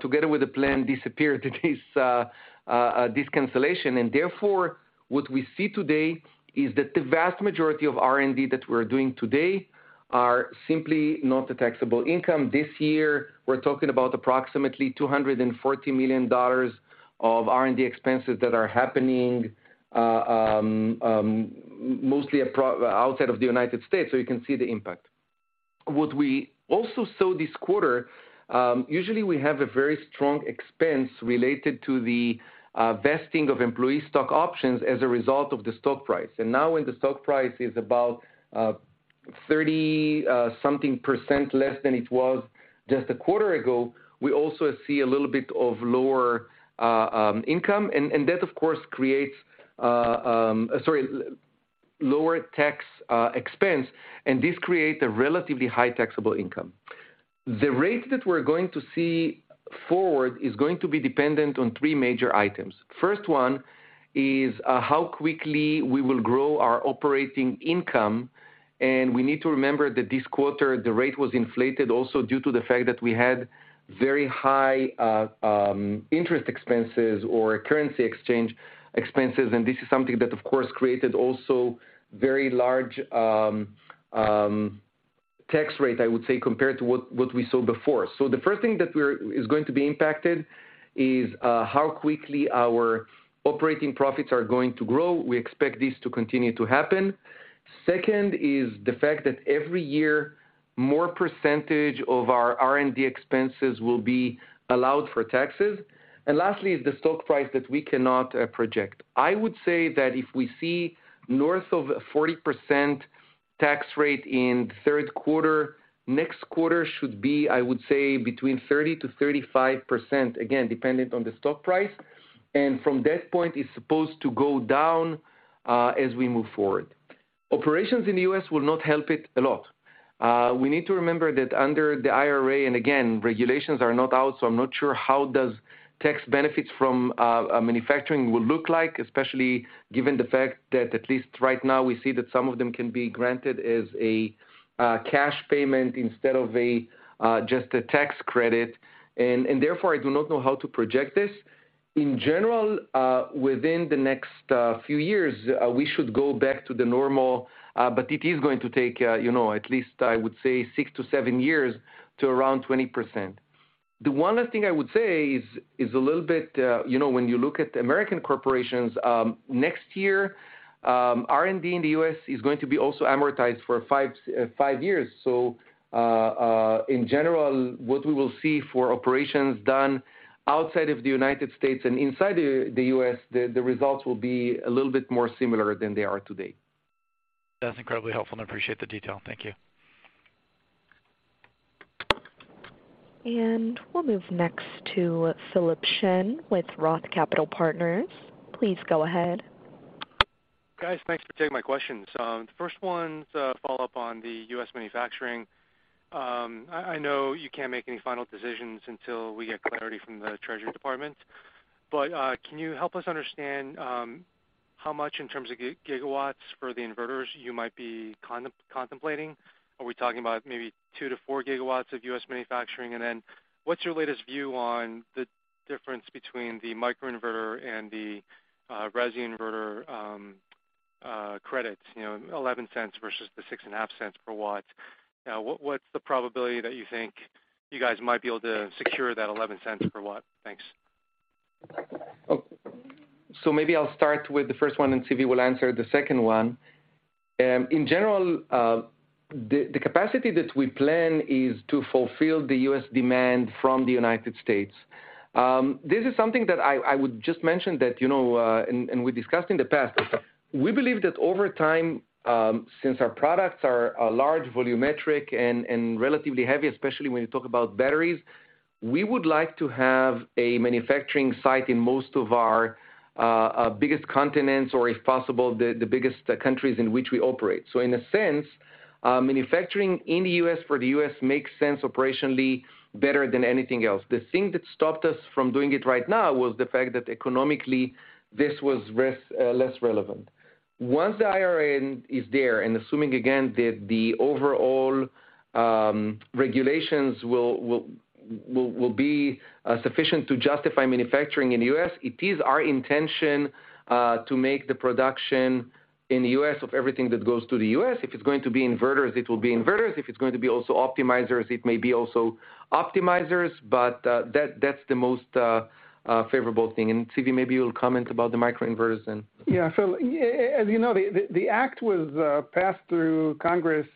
Together with the plan disappeared this cancellation. Therefore, what we see today is that the vast majority of R&D that we're doing today are simply not a taxable income. This year, we're talking about approximately $240 million of R&D expenses that are happening mostly outside of the United States, so you can see the impact. What we also saw this quarter, usually we have a very strong expense related to the vesting of employee stock options as a result of the stock price. Now when the stock price is about 30-something% less than it was just a quarter ago, we also see a little bit of lower income. That of course creates, sorry, lower tax expense, and this creates a relatively high taxable income. The rate that we're going to see forward is going to be dependent on three major items. First one is how quickly we will grow our operating income, and we need to remember that this quarter the rate was inflated also due to the fact that we had very high interest expenses or currency exchange expenses. This is something that of course created also very large tax rate, I would say, compared to what we saw before. The first thing that is going to be impacted is how quickly our operating profits are going to grow. We expect this to continue to happen. Second is the fact that every year, more percentage of our R&D expenses will be allowed for taxes. Lastly is the stock price that we cannot project. I would say that if we see north of 40% tax rate in the third quarter, next quarter should be, I would say, between 30%-35%, again, dependent on the stock price. From that point, it's supposed to go down as we move forward. Operations in the U.S. will not help it a lot. We need to remember that under the IRA, and again, regulations are not out, so I'm not sure how does tax benefits from manufacturing will look like, especially given the fact that at least right now we see that some of them can be granted as a cash payment instead of just a tax credit. Therefore, I do not know how to project this. In general, within the next few years, we should go back to the normal, but it is going to take, you know, at least I would say 6-7 years to around 20%. The one last thing I would say is a little bit, you know, when you look at American corporations, next year, R&D in the U.S. is going to be also amortized for five years. In general, what we will see for operations done outside of the United States and inside the U.S., the results will be a little bit more similar than they are today. That's incredibly helpful, and I appreciate the detail. Thank you. We'll move next to Philip Shen with Roth Capital Partners. Please go ahead. Guys, thanks for taking my questions. The first one's a follow-up on the U.S. manufacturing. I know you can't make any final decisions until we get clarity from the Treasury Department, but can you help us understand how much in terms of gigawatts for the inverters you might be contemplating? Are we talking about maybe 2-4 GW of U.S. manufacturing? And then what's your latest view on the difference between the microinverter and the resi inverter credits, you know, $0.11 versus the $0.065 per watt? What's the probability that you think you guys might be able to secure that $0.11 per watt? Thanks. Maybe I'll start with the first one, and Zvi will answer the second one. In general, the capacity that we plan is to fulfill the U.S. demand from the United States. This is something that I would just mention that, you know, and we discussed in the past. We believe that over time, since our products are large volumetric and relatively heavy, especially when you talk about batteries, we would like to have a manufacturing site in most of our biggest continents or if possible, the biggest countries in which we operate. In a sense, manufacturing in the U.S. for the U.S. makes sense operationally better than anything else. The thing that stopped us from doing it right now was the fact that economically this was less relevant. Once the IRA is there, and assuming again that the overall regulations will be sufficient to justify manufacturing in the U.S., it is our intention to make the production in the U.S. of everything that goes to the U.S. If it's going to be inverters, it will be inverters. If it's going to be also optimizers, it may be also optimizers. But that's the most favorable thing. Zvi, maybe you'll comment about the microinverters then. Yeah. As you know, the act was passed through Congress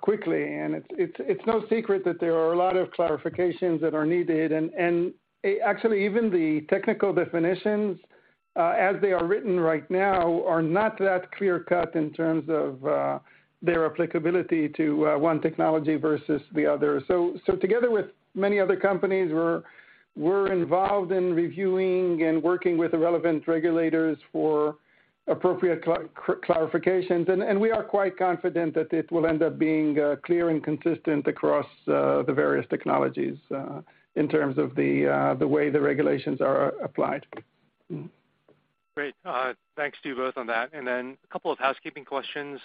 quickly, and it's no secret that there are a lot of clarifications that are needed. Actually, even the technical definitions as they are written right now are not that clear-cut in terms of their applicability to one technology versus the other. Together with many other companies, we're involved in reviewing and working with the relevant regulators for appropriate clarifications. We are quite confident that it will end up being clear and consistent across the various technologies in terms of the way the regulations are applied. Great. Thanks to you both on that. A couple of housekeeping questions.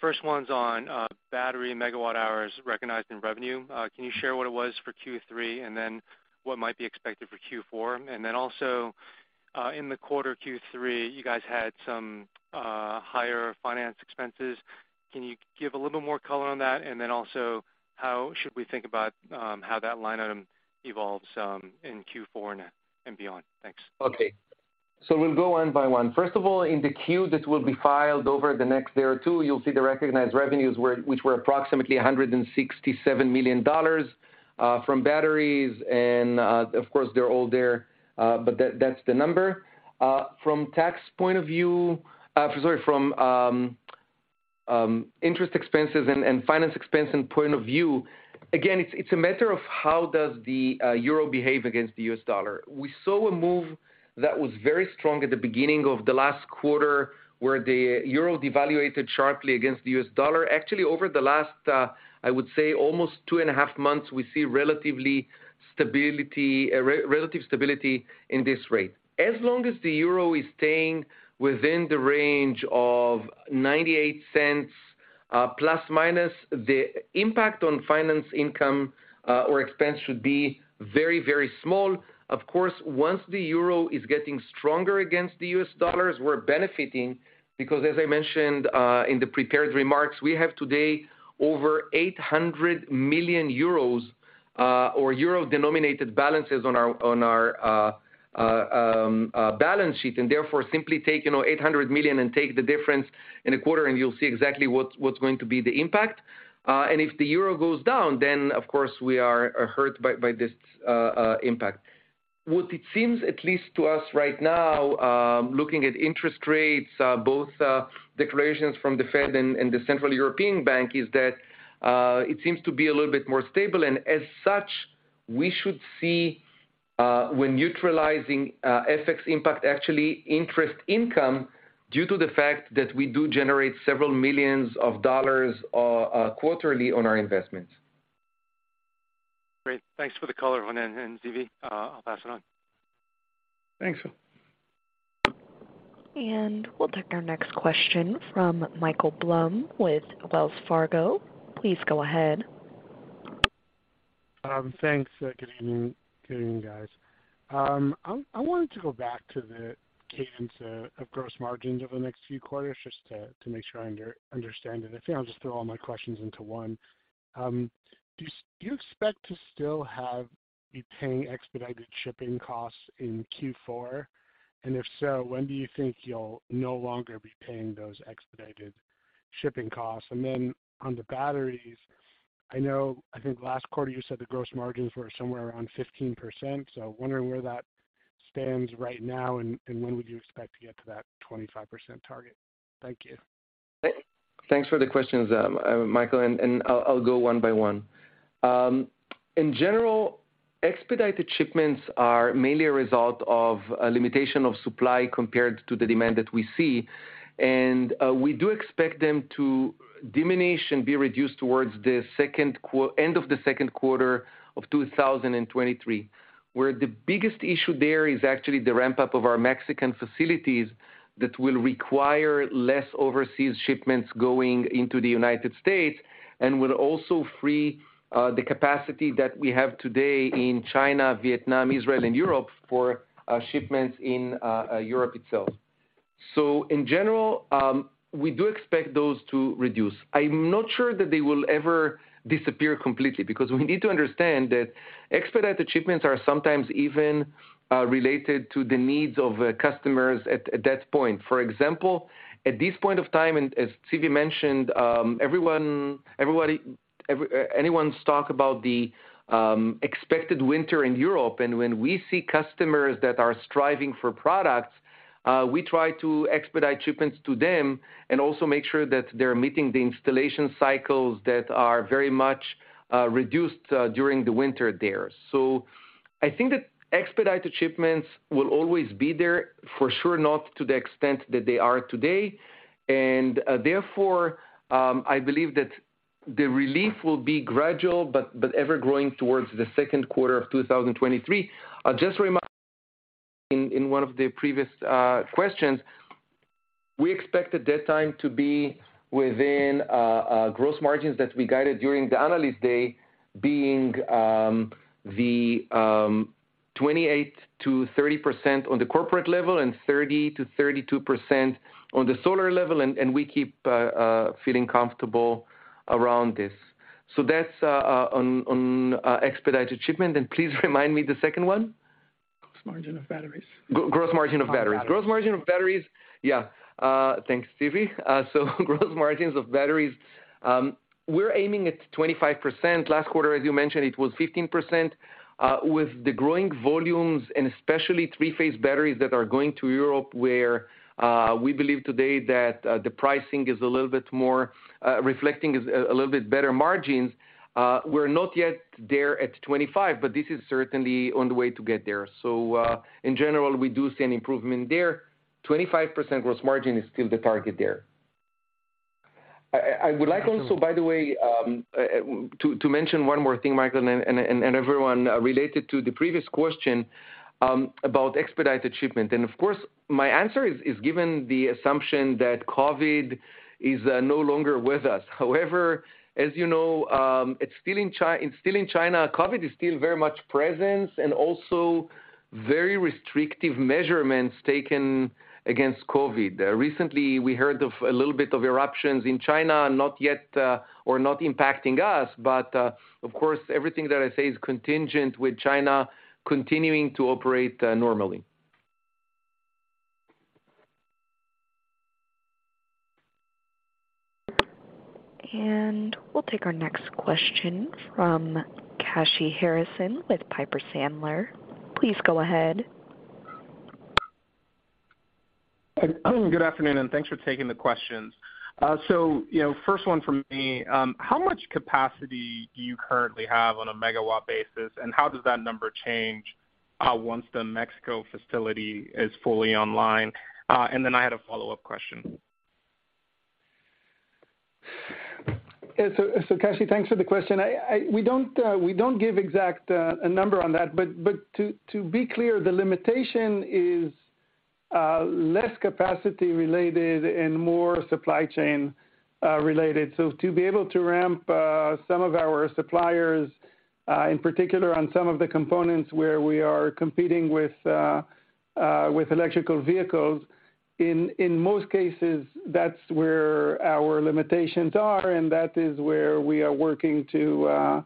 First one's on battery megawatt hours recognized in revenue. Can you share what it was for Q3, and then what might be expected for Q4? In the quarter Q3, you guys had some higher finance expenses. Can you give a little more color on that? How should we think about how that line item evolves in Q4 and beyond? Thanks. Okay. We'll go one by one. First of all, in the Q that will be filed over the next year or two, you'll see the recognized revenues were approximately $167 million from batteries and, of course, they're all there, but that's the number. From interest expenses and finance expense point of view, again, it's a matter of how does the euro behave against the US dollar. We saw a move that was very strong at the beginning of the last quarter, where the euro devalued sharply against the US dollar. Actually, over the last, I would say almost two and a half months, we see relative stability in this rate. As long as the euro is staying within the range of $0.98, plus or minus, the impact on finance income or expense should be very, very small. Of course, once the euro is getting stronger against the U.S. dollars, we're benefiting because, as I mentioned, in the prepared remarks, we have today over 800 million euros or euro-denominated balances on our balance sheet, and therefore simply take, you know, 800 million and take the difference in a quarter and you'll see exactly what's going to be the impact. If the euro goes down, then of course we are hurt by this impact. What it seems, at least to us right now, looking at interest rates, both declarations from the Fed and the European Central Bank, is that it seems to be a little bit more stable. As such, we should see, when neutralizing FX impact, actually interest income due to the fact that we do generate $ several million quarterly on our investments. Great. Thanks for the color, Ron and Zvi. I'll pass it on. Thanks. We'll take our next question from Michael Blum with Wells Fargo. Please go ahead. Thanks. Good evening, guys. I wanted to go back to the cadence of gross margins over the next few quarters just to make sure I understand it. I think I'll just throw all my questions into one. Do you expect to still be paying expedited shipping costs in Q4? And if so, when do you think you'll no longer be paying those expedited shipping costs? And then on the batteries, I know last quarter you said the gross margins were somewhere around 15%, so wondering where that stands right now and when would you expect to get to that 25% target. Thank you. Thanks for the questions, Michael, and I'll go one by one. In general, expedited shipments are mainly a result of a limitation of supply compared to the demand that we see. We do expect them to diminish and be reduced towards the end of the second quarter of 2023, where the biggest issue there is actually the ramp-up of our Mexican facilities that will require less overseas shipments going into the United States and will also free the capacity that we have today in China, Vietnam, Israel, and Europe for shipments in Europe itself. In general, we do expect those to reduce. I'm not sure that they will ever disappear completely because we need to understand that expedited shipments are sometimes even related to the needs of customers at that point. For example, at this point of time, and as Zvi mentioned, everyone's talking about the expected winter in Europe. When we see customers that are striving for products, we try to expedite shipments to them and also make sure that they're meeting the installation cycles that are very much reduced during the winter there. I think that expedited shipments will always be there for sure not to the extent that they are today. Therefore, I believe that the relief will be gradual, but ever growing towards the second quarter of 2023. Just reminding, in one of the previous questions, we expected that time to be within gross margins that we guided during the Analyst Day being the 28%-30% on the corporate level and 30%-32% on the solar level, and we keep feeling comfortable around this. That's on expedited shipment. Please remind me the second one. Gross margin of batteries. Gross margin of batteries. On batteries. Gross margin of batteries. Yeah. Thanks, Zvi. Gross margins of batteries, we're aiming at 25%. Last quarter, as you mentioned, it was 15%. With the growing volumes and especially three-phase batteries that are going to Europe, where we believe today that the pricing is a little bit more reflecting a little bit better margins. We're not yet there at 25%, but this is certainly on the way to get there. In general, we do see an improvement there. 25% gross margin is still the target there. I would like also, by the way, to mention one more thing, Michael and everyone, related to the previous question, about expedited shipment. Of course, my answer is given the assumption that COVID is no longer with us. However, as you know, it's still in China. COVID is still very much present and also very restrictive measures taken against COVID. Recently, we heard of a little bit of outbreaks in China, not yet or not impacting us. Of course, everything that I say is contingent with China continuing to operate normally. We'll take our next question from Kashy Harrison with Piper Sandler. Please go ahead. Good afternoon, and thanks for taking the questions. You know, first one from me, how much capacity do you currently have on a megawatt basis, and how does that number change once the Mexico facility is fully online? Then I had a follow-up question. Kashy Harrison, thanks for the question. We don't give exact number on that, but to be clear, the limitation is less capacity related and more supply chain related. To be able to ramp some of our suppliers, in particular on some of the components where we are competing with electric vehicles, in most cases, that's where our limitations are, and that is where we are working to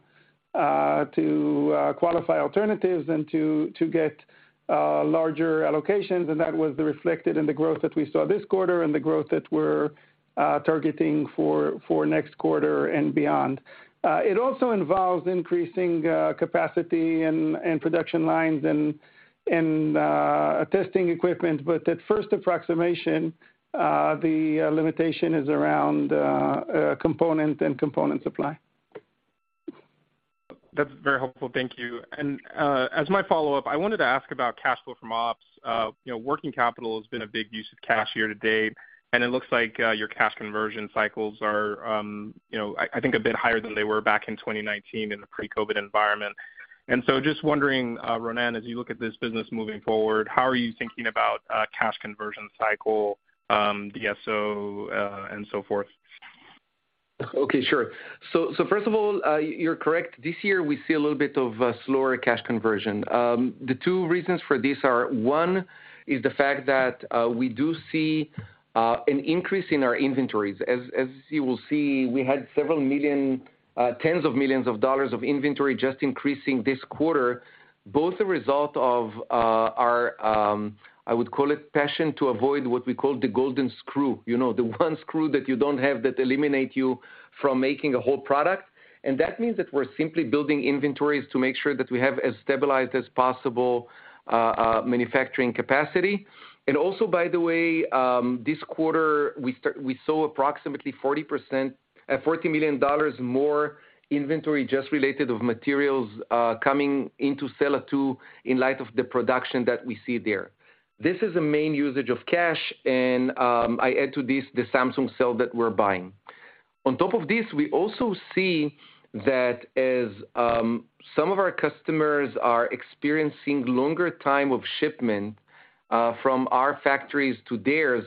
qualify alternatives and to get larger allocations. That was reflected in the growth that we saw this quarter and the growth that we're targeting for next quarter and beyond. It also involves increasing capacity and production lines and testing equipment. At first approximation, the limitation is around component supply. That's very helpful. Thank you. As my follow-up, I wanted to ask about cash flow from ops. You know, working capital has been a big use of cash year to date, and it looks like your cash conversion cycles are, you know, I think a bit higher than they were back in 2019 in the pre-COVID environment. Just wondering, Ronen, as you look at this business moving forward, how are you thinking about cash conversion cycle, DSO, and so forth? Okay, sure. First of all, you're correct. This year we see a little bit of slower cash conversion. The two reasons for this are, one is the fact that we do see an increase in our inventories. As you will see, we had several million, $ tens of millions of inventory just increasing this quarter, both a result of our I would call it passion to avoid what we call the golden screw. You know, the one screw that you don't have that eliminate you from making a whole product. That means that we're simply building inventories to make sure that we have as stabilized as possible manufacturing capacity. Also, by the way, this quarter, we start. We saw approximately 40%, $40 million more inventory just related of materials coming into Sella 2 in light of the production that we see there. This is a main usage of cash, and I add to this the Samsung cell that we're buying. On top of this, we also see that as some of our customers are experiencing longer time of shipment from our factories to theirs,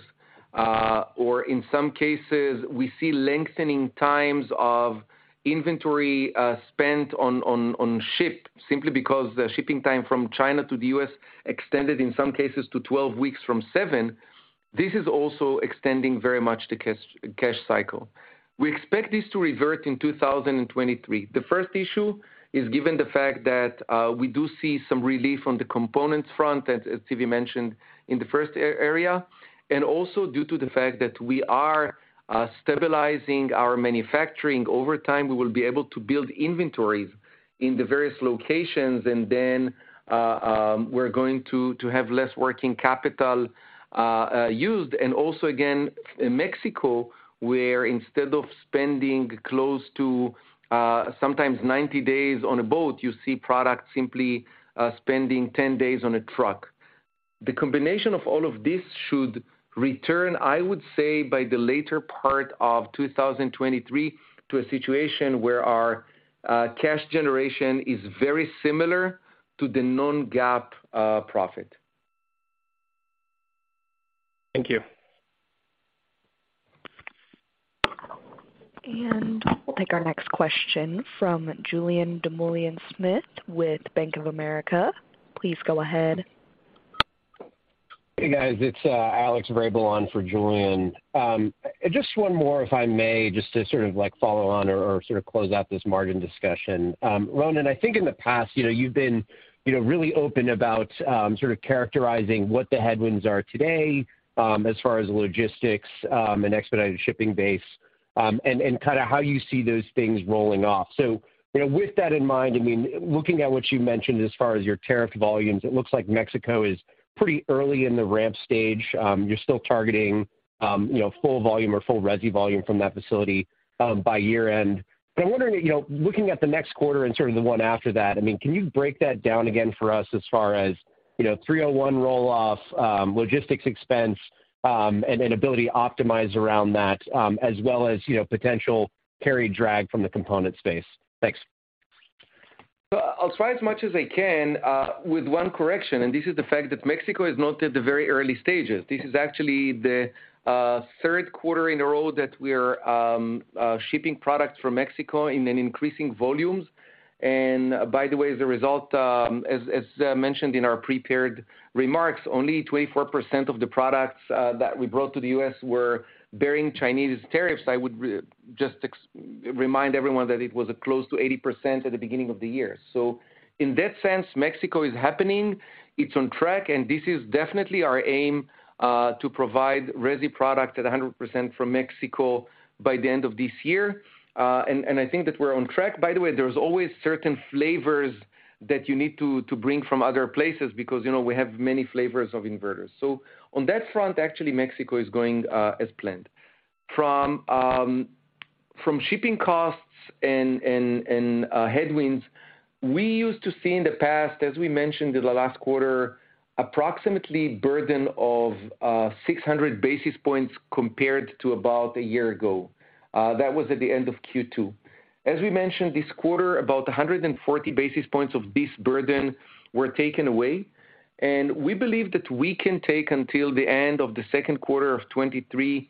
or in some cases, we see lengthening times of inventory spent on ship simply because the shipping time from China to the U.S. extended in some cases to 12 weeks from 7. This is also extending very much the cash cycle. We expect this to revert in 2023. The first issue is given the fact that we do see some relief on the components front, as Zvi Lando mentioned in the first area, and also due to the fact that we are stabilizing our manufacturing over time. We will be able to build inventories in the various locations and then we're going to have less working capital used. Also again in Mexico, where instead of spending close to sometimes 90 days on a boat, you see products simply spending 10 days on a truck. The combination of all of this should return, I would say, by the later part of 2023 to a situation where our cash generation is very similar to the non-GAAP profit. Thank you. We'll take our next question from Julien Dumoulin-Smith with Bank of America. Please go ahead. Hey, guys, it's Alex Vrabel on for Julien Dumoulin-Smith. Just one more, if I may, just to sort of like follow on or sort of close out this margin discussion. Ronen, I think in the past, you know, you've been, you know, really open about sort of characterizing what the headwinds are today as far as logistics and expedited shipping base and kind of how you see those things rolling off. You know, with that in mind, I mean, looking at what you mentioned as far as your tariff volumes, it looks like Mexico is pretty early in the ramp stage. You're still targeting, you know, full volume or full resi volume from that facility by year end. I'm wondering, you know, looking at the next quarter and sort of the one after that, I mean, can you break that down again for us as far as, you know, 301 roll off, logistics expense, and an ability to optimize around that, as well as, you know, potential carry drag from the component space? Thanks. I'll try as much as I can with one correction, and this is the fact that Mexico is not at the very early stages. This is actually the third quarter in a row that we're shipping products from Mexico in increasing volumes. By the way, as a result, as mentioned in our prepared remarks, only 24% of the products that we brought to the U.S. were bearing Chinese tariffs. I would just remind everyone that it was close to 80% at the beginning of the year. In that sense, Mexico is happening. It's on track, and this is definitely our aim to provide resi product at 100% from Mexico by the end of this year, and I think that we're on track. By the way, there's always certain flavors that you need to bring from other places because, you know, we have many flavors of inverters. On that front, actually Mexico is going as planned. From shipping costs and headwinds we used to see in the past, as we mentioned in the last quarter, approximately burden of 600 basis points compared to about a year ago. That was at the end of Q2. As we mentioned this quarter, about 140 basis points of this burden were taken away, and we believe that we can take until the end of the second quarter of 2023,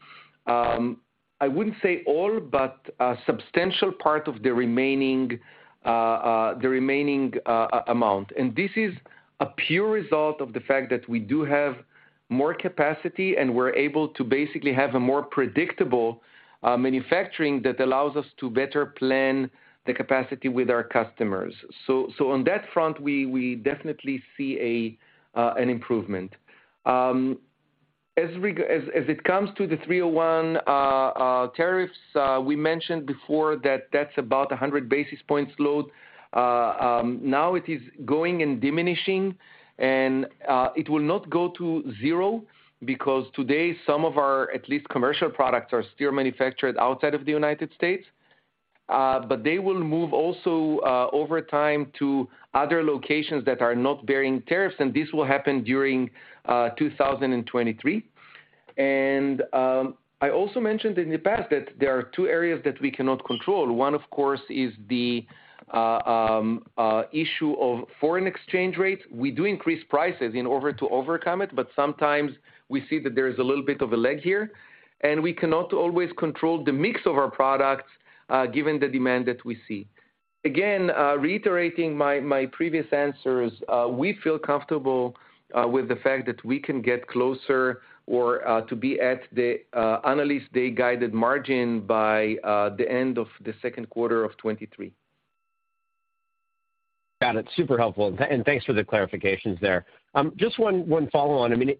I wouldn't say all, but a substantial part of the remaining amount. This is a pure result of the fact that we do have more capacity, and we're able to basically have a more predictable manufacturing that allows us to better plan the capacity with our customers. So on that front, we definitely see an improvement. As it comes to the 301 tariffs, we mentioned before that that's about 100 basis points load. Now it is going and diminishing, and it will not go to zero because today some of our at least commercial products are still manufactured outside of the United States. They will move also over time to other locations that are not bearing tariffs, and this will happen during 2023. I also mentioned in the past that there are two areas that we cannot control. One of course is the issue of foreign exchange rates. We do increase prices in order to overcome it, but sometimes we see that there is a little bit of a lag here, and we cannot always control the mix of our products, given the demand that we see. Again, reiterating my previous answers, we feel comfortable with the fact that we can get closer or to be at the analyst day guided margin by the end of the second quarter of 2023. Got it. Super helpful. Thanks for the clarifications there. Just one follow on. I mean,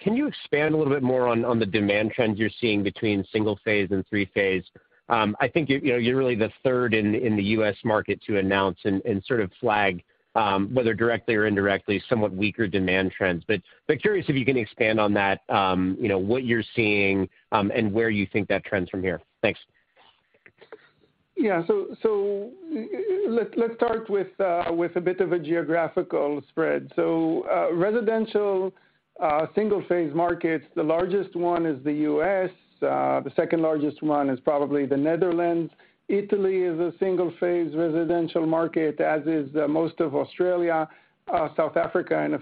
can you expand a little bit more on the demand trends you're seeing between single phase and three phase? I think you're really the third in the U.S. market to announce and sort of flag whether directly or indirectly somewhat weaker demand trends. Curious if you can expand on that, you know, what you're seeing and where you think that trends from here. Thanks. Let's start with a bit of a geographical spread. Residential single phase markets, the largest one is the U.S. The second largest one is probably the Netherlands. Italy is a single phase residential market, as is most of Australia, South Africa, and a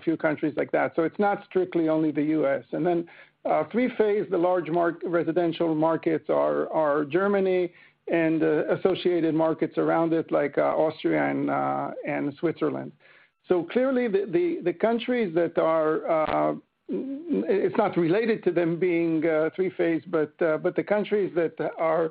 few countries like that. It's not strictly only the U.S. Three phase residential markets are Germany and associated markets around it like Austria and Switzerland. Clearly the countries that are, it's not related to them being three phase, but the countries that are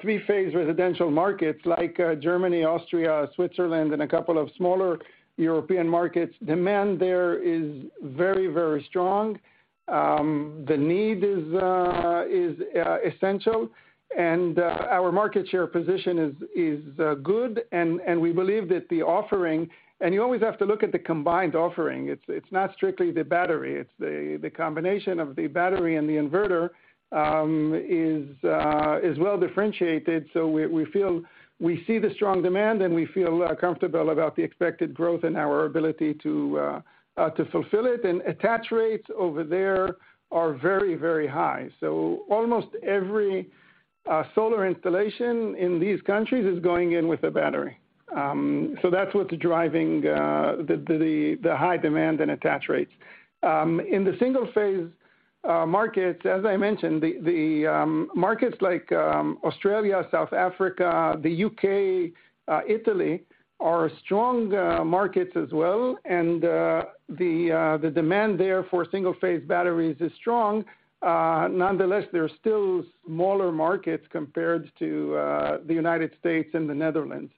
three phase residential markets like Germany, Austria, Switzerland, and a couple of smaller European markets, demand there is very, very strong. The need is essential and our market share position is good and we believe that the offering. You always have to look at the combined offering. It's not strictly the battery, it's the combination of the battery and the inverter is well differentiated. We feel we see the strong demand, and we feel comfortable about the expected growth and our ability to fulfill it. Attach rates over there are very high. Almost every solar installation in these countries is going in with a battery. That's what's driving the high demand and attach rates. In the single phase markets, as I mentioned, the markets like Australia, South Africa, the U.K., Italy, are strong markets as well. The demand there for single phase batteries is strong. Nonetheless, they're still smaller markets compared to the United States and the Netherlands.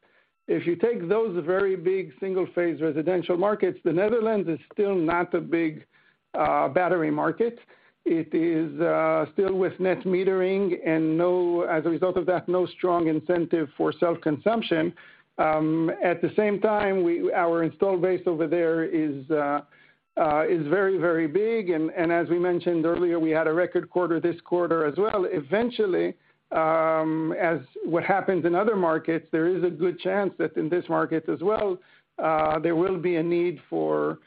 If you take those very big single phase residential markets, the Netherlands is still not a big battery market. It is still with net metering and, as a result of that, no strong incentive for self-consumption. At the same time, our install base over there is very, very big. As we mentioned earlier, we had a record quarter this quarter as well. Eventually, as what happens in other markets, there is a good chance that in this market as well, there will be a need for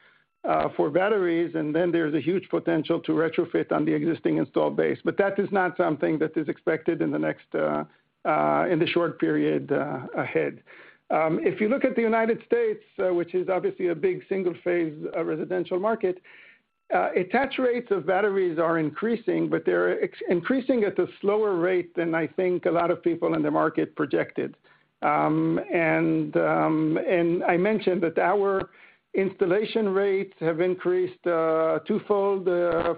batteries, and then there's a huge potential to retrofit on the existing installed base. That is not something that is expected in the next, in the short period ahead. If you look at the United States, which is obviously a big single phase residential market, attach rates of batteries are increasing, but they're increasing at a slower rate than I think a lot of people in the market projected. I mentioned that our installation rates have increased twofold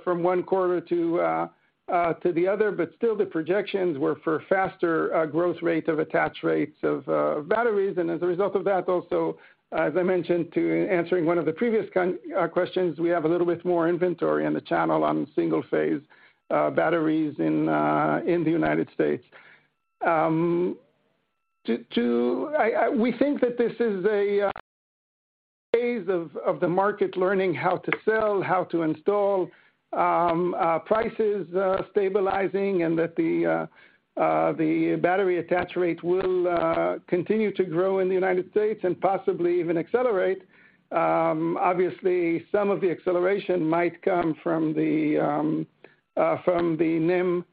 from one quarter to the other. Still the projections were for faster growth rate of attach rates of batteries. As a result of that also, as I mentioned in answering one of the previous questions, we have a little bit more inventory in the channel on single phase batteries in the United States. We think that this is a phase of the market learning how to sell, how to install, prices stabilizing and that the battery attach rate will continue to grow in the United States and possibly even accelerate. Obviously some of the acceleration might come from the NEM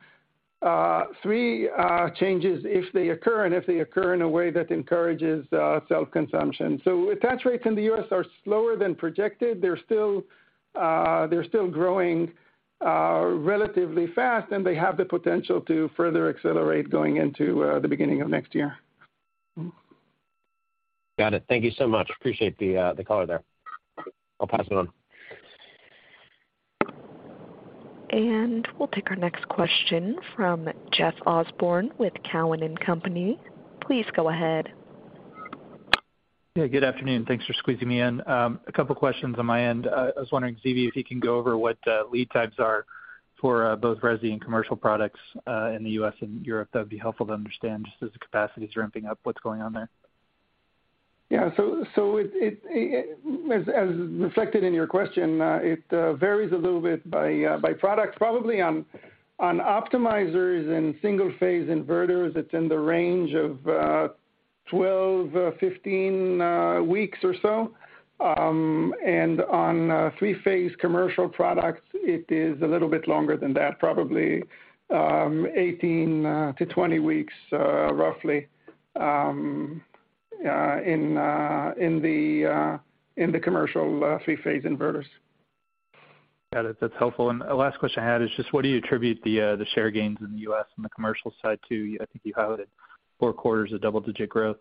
3.0 changes if they occur and if they occur in a way that encourages self-consumption. Attach rates in the US are slower than projected. They're still growing relatively fast, and they have the potential to further accelerate going into the beginning of next year. Got it. Thank you so much. Appreciate the color there. I'll pass it on. We'll take our next question from Jeff Osborne with Cowen and Company. Please go ahead. Yeah. Good afternoon. Thanks for squeezing me in. A couple questions on my end. I was wondering, Zvi, if you can go over what lead times are for both resi and commercial products in the U.S. and Europe. That'd be helpful to understand just as the capacity's ramping up, what's going on there. As reflected in your question, it varies a little bit by product. Probably on optimizers and single-phase inverters, it's in the range of 12-15 weeks or so. On three-phase commercial products, it is a little bit longer than that, probably 18-20 weeks, roughly, in the commercial three-phase inverters. Got it. That's helpful. Last question I had is just what do you attribute the share gains in the U.S. on the commercial side to? I think you have four quarters of double-digit growth.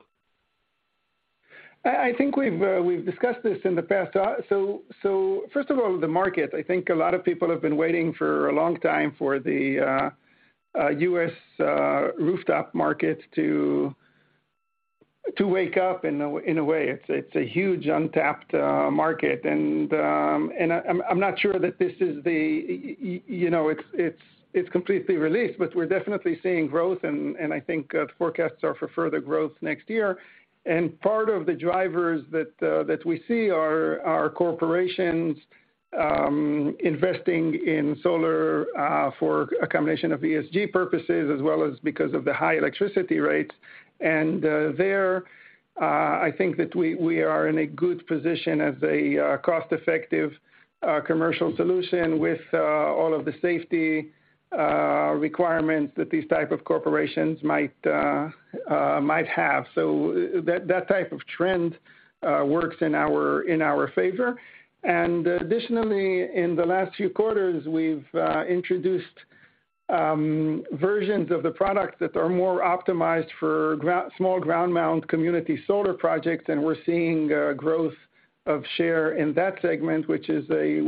I think we've discussed this in the past. First of all, the market, I think a lot of people have been waiting for a long time for the U.S. rooftop market to wake up in a way. It's a huge untapped market. I'm not sure that this is, you know, it's completely released, but we're definitely seeing growth and I think the forecasts are for further growth next year. Part of the drivers that we see are corporations investing in solar for a combination of ESG purposes as well as because of the high electricity rates. I think that we are in a good position as a cost-effective commercial solution with all of the safety requirements that these type of corporations might have. That type of trend works in our favor. Additionally, in the last few quarters, we've introduced versions of the products that are more optimized for small ground mount community solar projects, and we're seeing growth of share in that segment, which is a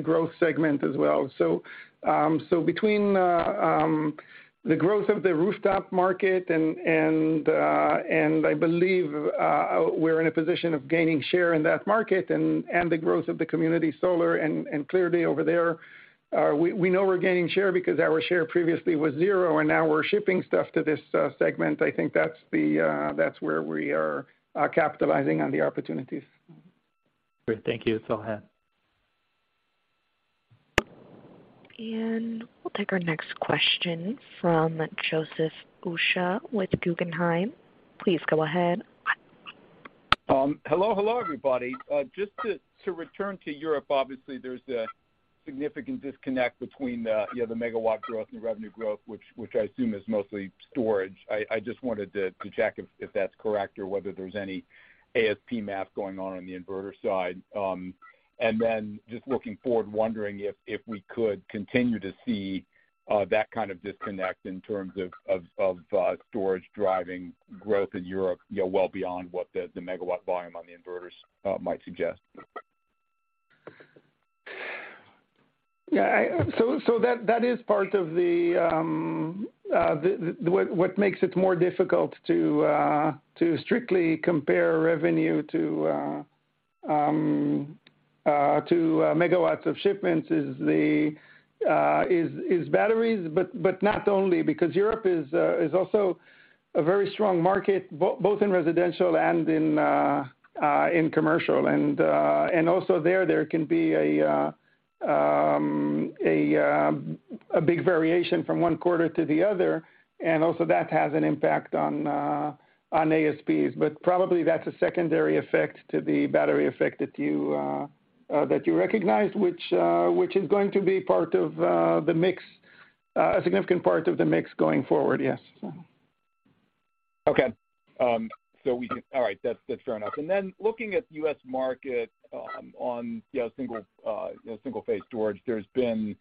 growth segment as well. Between the growth of the rooftop market and I believe we're in a position of gaining share in that market and the growth of the community solar, and clearly over there, we know we're gaining share because our share previously was zero, and now we're shipping stuff to this segment. I think that's where we are capitalizing on the opportunities. Great. Thank you. That's all I had. We'll take our next question from Joseph Osha with Guggenheim. Please go ahead. Hello, everybody. Just to return to Europe, obviously there's a significant disconnect between the megawatt growth and revenue growth, which I assume is mostly storage. I just wanted to check if that's correct or whether there's any ASP math going on on the inverter side. Just looking forward, wondering if we could continue to see that kind of disconnect in terms of storage driving growth in Europe, you know, well beyond what the megawatt volume on the inverters might suggest. Yeah. So that is part of what makes it more difficult to strictly compare revenue to megawatts of shipments is batteries, but not only because Europe is also a very strong market both in residential and in commercial. Also there can be a big variation from one quarter to the other, and also that has an impact on ASPs. Probably that's a secondary effect to the battery effect that you recognized, which is going to be part of the mix, a significant part of the mix going forward, yes. Okay. All right. That's fair enough. Looking at U.S. market, you know, single, you know, single-phase storage, there's been,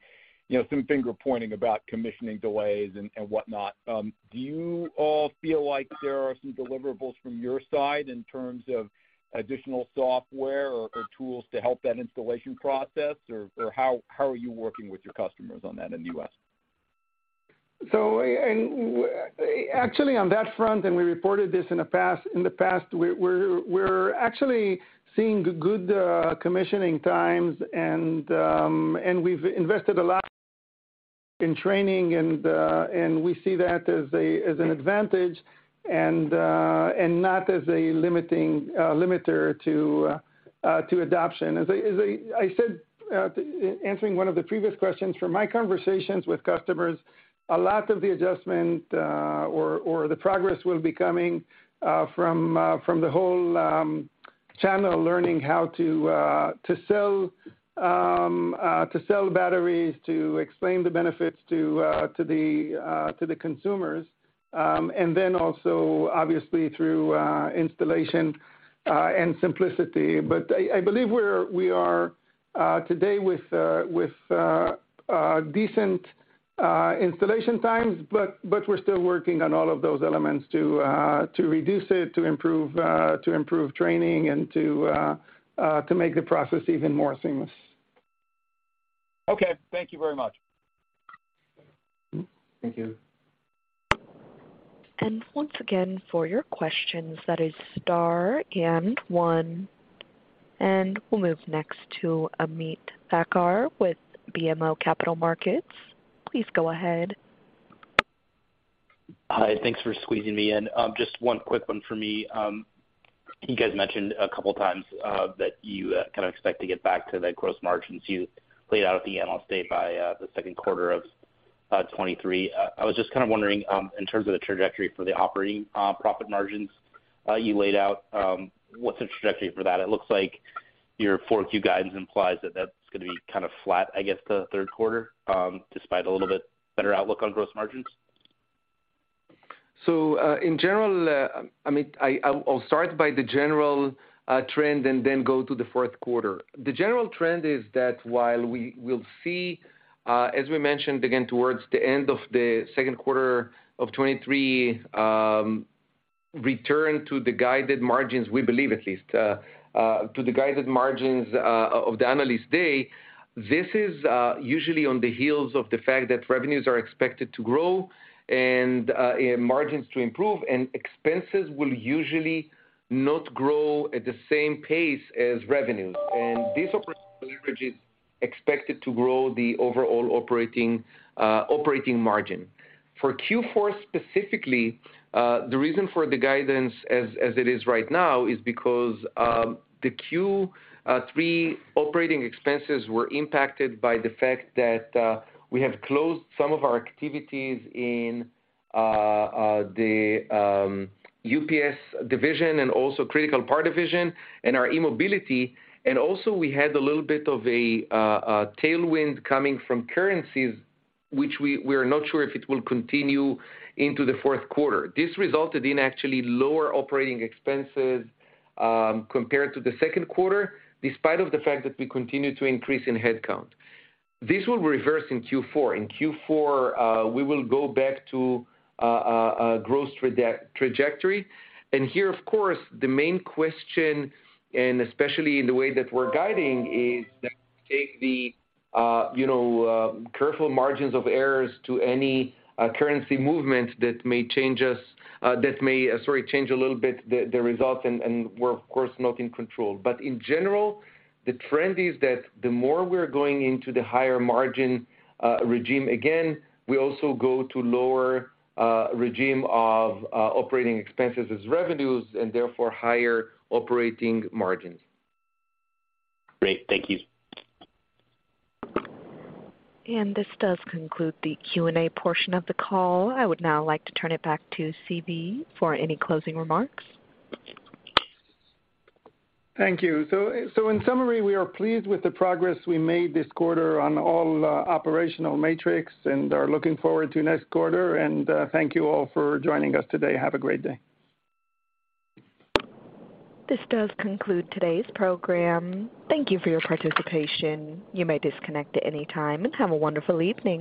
you know, some finger-pointing about commissioning delays and whatnot. Do you all feel like there are some deliverables from your side in terms of additional software or tools to help that installation process? Or how are you working with your customers on that in the U.S.? Actually on that front, and we reported this in the past, we're actually seeing good commissioning times and we've invested a lot in training and we see that as an advantage and not as a limiting factor to adoption. As I said, answering one of the previous questions, from my conversations with customers, a lot of the adjustment or the progress will be coming from the whole channel learning how to sell batteries, to explain the benefits to the consumers, and then also obviously through installation and simplicity. I believe we are today with decent installation times. We're still working on all of those elements to reduce it, to improve training and to make the process even more seamless. Okay. Thank you very much. Thank you. Once again, for your questions, that is star and one. We'll move next to Ameet Thakkar with BMO Capital Markets. Please go ahead. Hi, thanks for squeezing me in. Just one quick one for me. You guys mentioned a couple times that you expect to get back to the gross margins you laid out at the analyst day by the second quarter of 2023. I was just kinda wondering, in terms of the trajectory for the operating profit margins you laid out, what's the trajectory for that? It looks like your 4Q guidance implies that that's gonna be kind of flat, I guess, the third quarter, despite a little bit better outlook on gross margins. In general, I mean, I'll start by the general trend and then go to the fourth quarter. The general trend is that while we will see, as we mentioned again, towards the end of the second quarter of 2023, return to the guided margins, we believe at least to the guided margins of the analyst day. This is usually on the heels of the fact that revenues are expected to grow and margins to improve, and expenses will usually not grow at the same pace as revenues. This operational leverage is expected to grow the overall operating margin. For Q4 specifically, the reason for the guidance as it is right now is because the Q3 operating expenses were impacted by the fact that we have closed some of our activities in the UPS division and also Critical Power division and our e-Mobility. Also we had a little bit of a tailwind coming from currencies, which we're not sure if it will continue into the fourth quarter. This resulted in actually lower operating expenses compared to the second quarter, despite of the fact that we continue to increase in headcount. This will reverse in Q4. In Q4, we will go back to a growth trajectory. Here, of course, the main question, and especially in the way that we're guiding, is to take the careful margin of error to any currency movements that may change a little bit the results and we're of course not in control. In general, the trend is that the more we're going into the higher margin regime, again, we also go to lower regime of operating expenses as revenues and therefore higher operating margins. Great. Thank you. This does conclude the Q&A portion of the call. I would now like to turn it back to C.B. for any closing remarks. Thank you. In summary, we are pleased with the progress we made this quarter on all operational metrics and are looking forward to next quarter. Thank you all for joining us today. Have a great day. This does conclude today's program. Thank you for your participation. You may disconnect at any time and have a wonderful evening.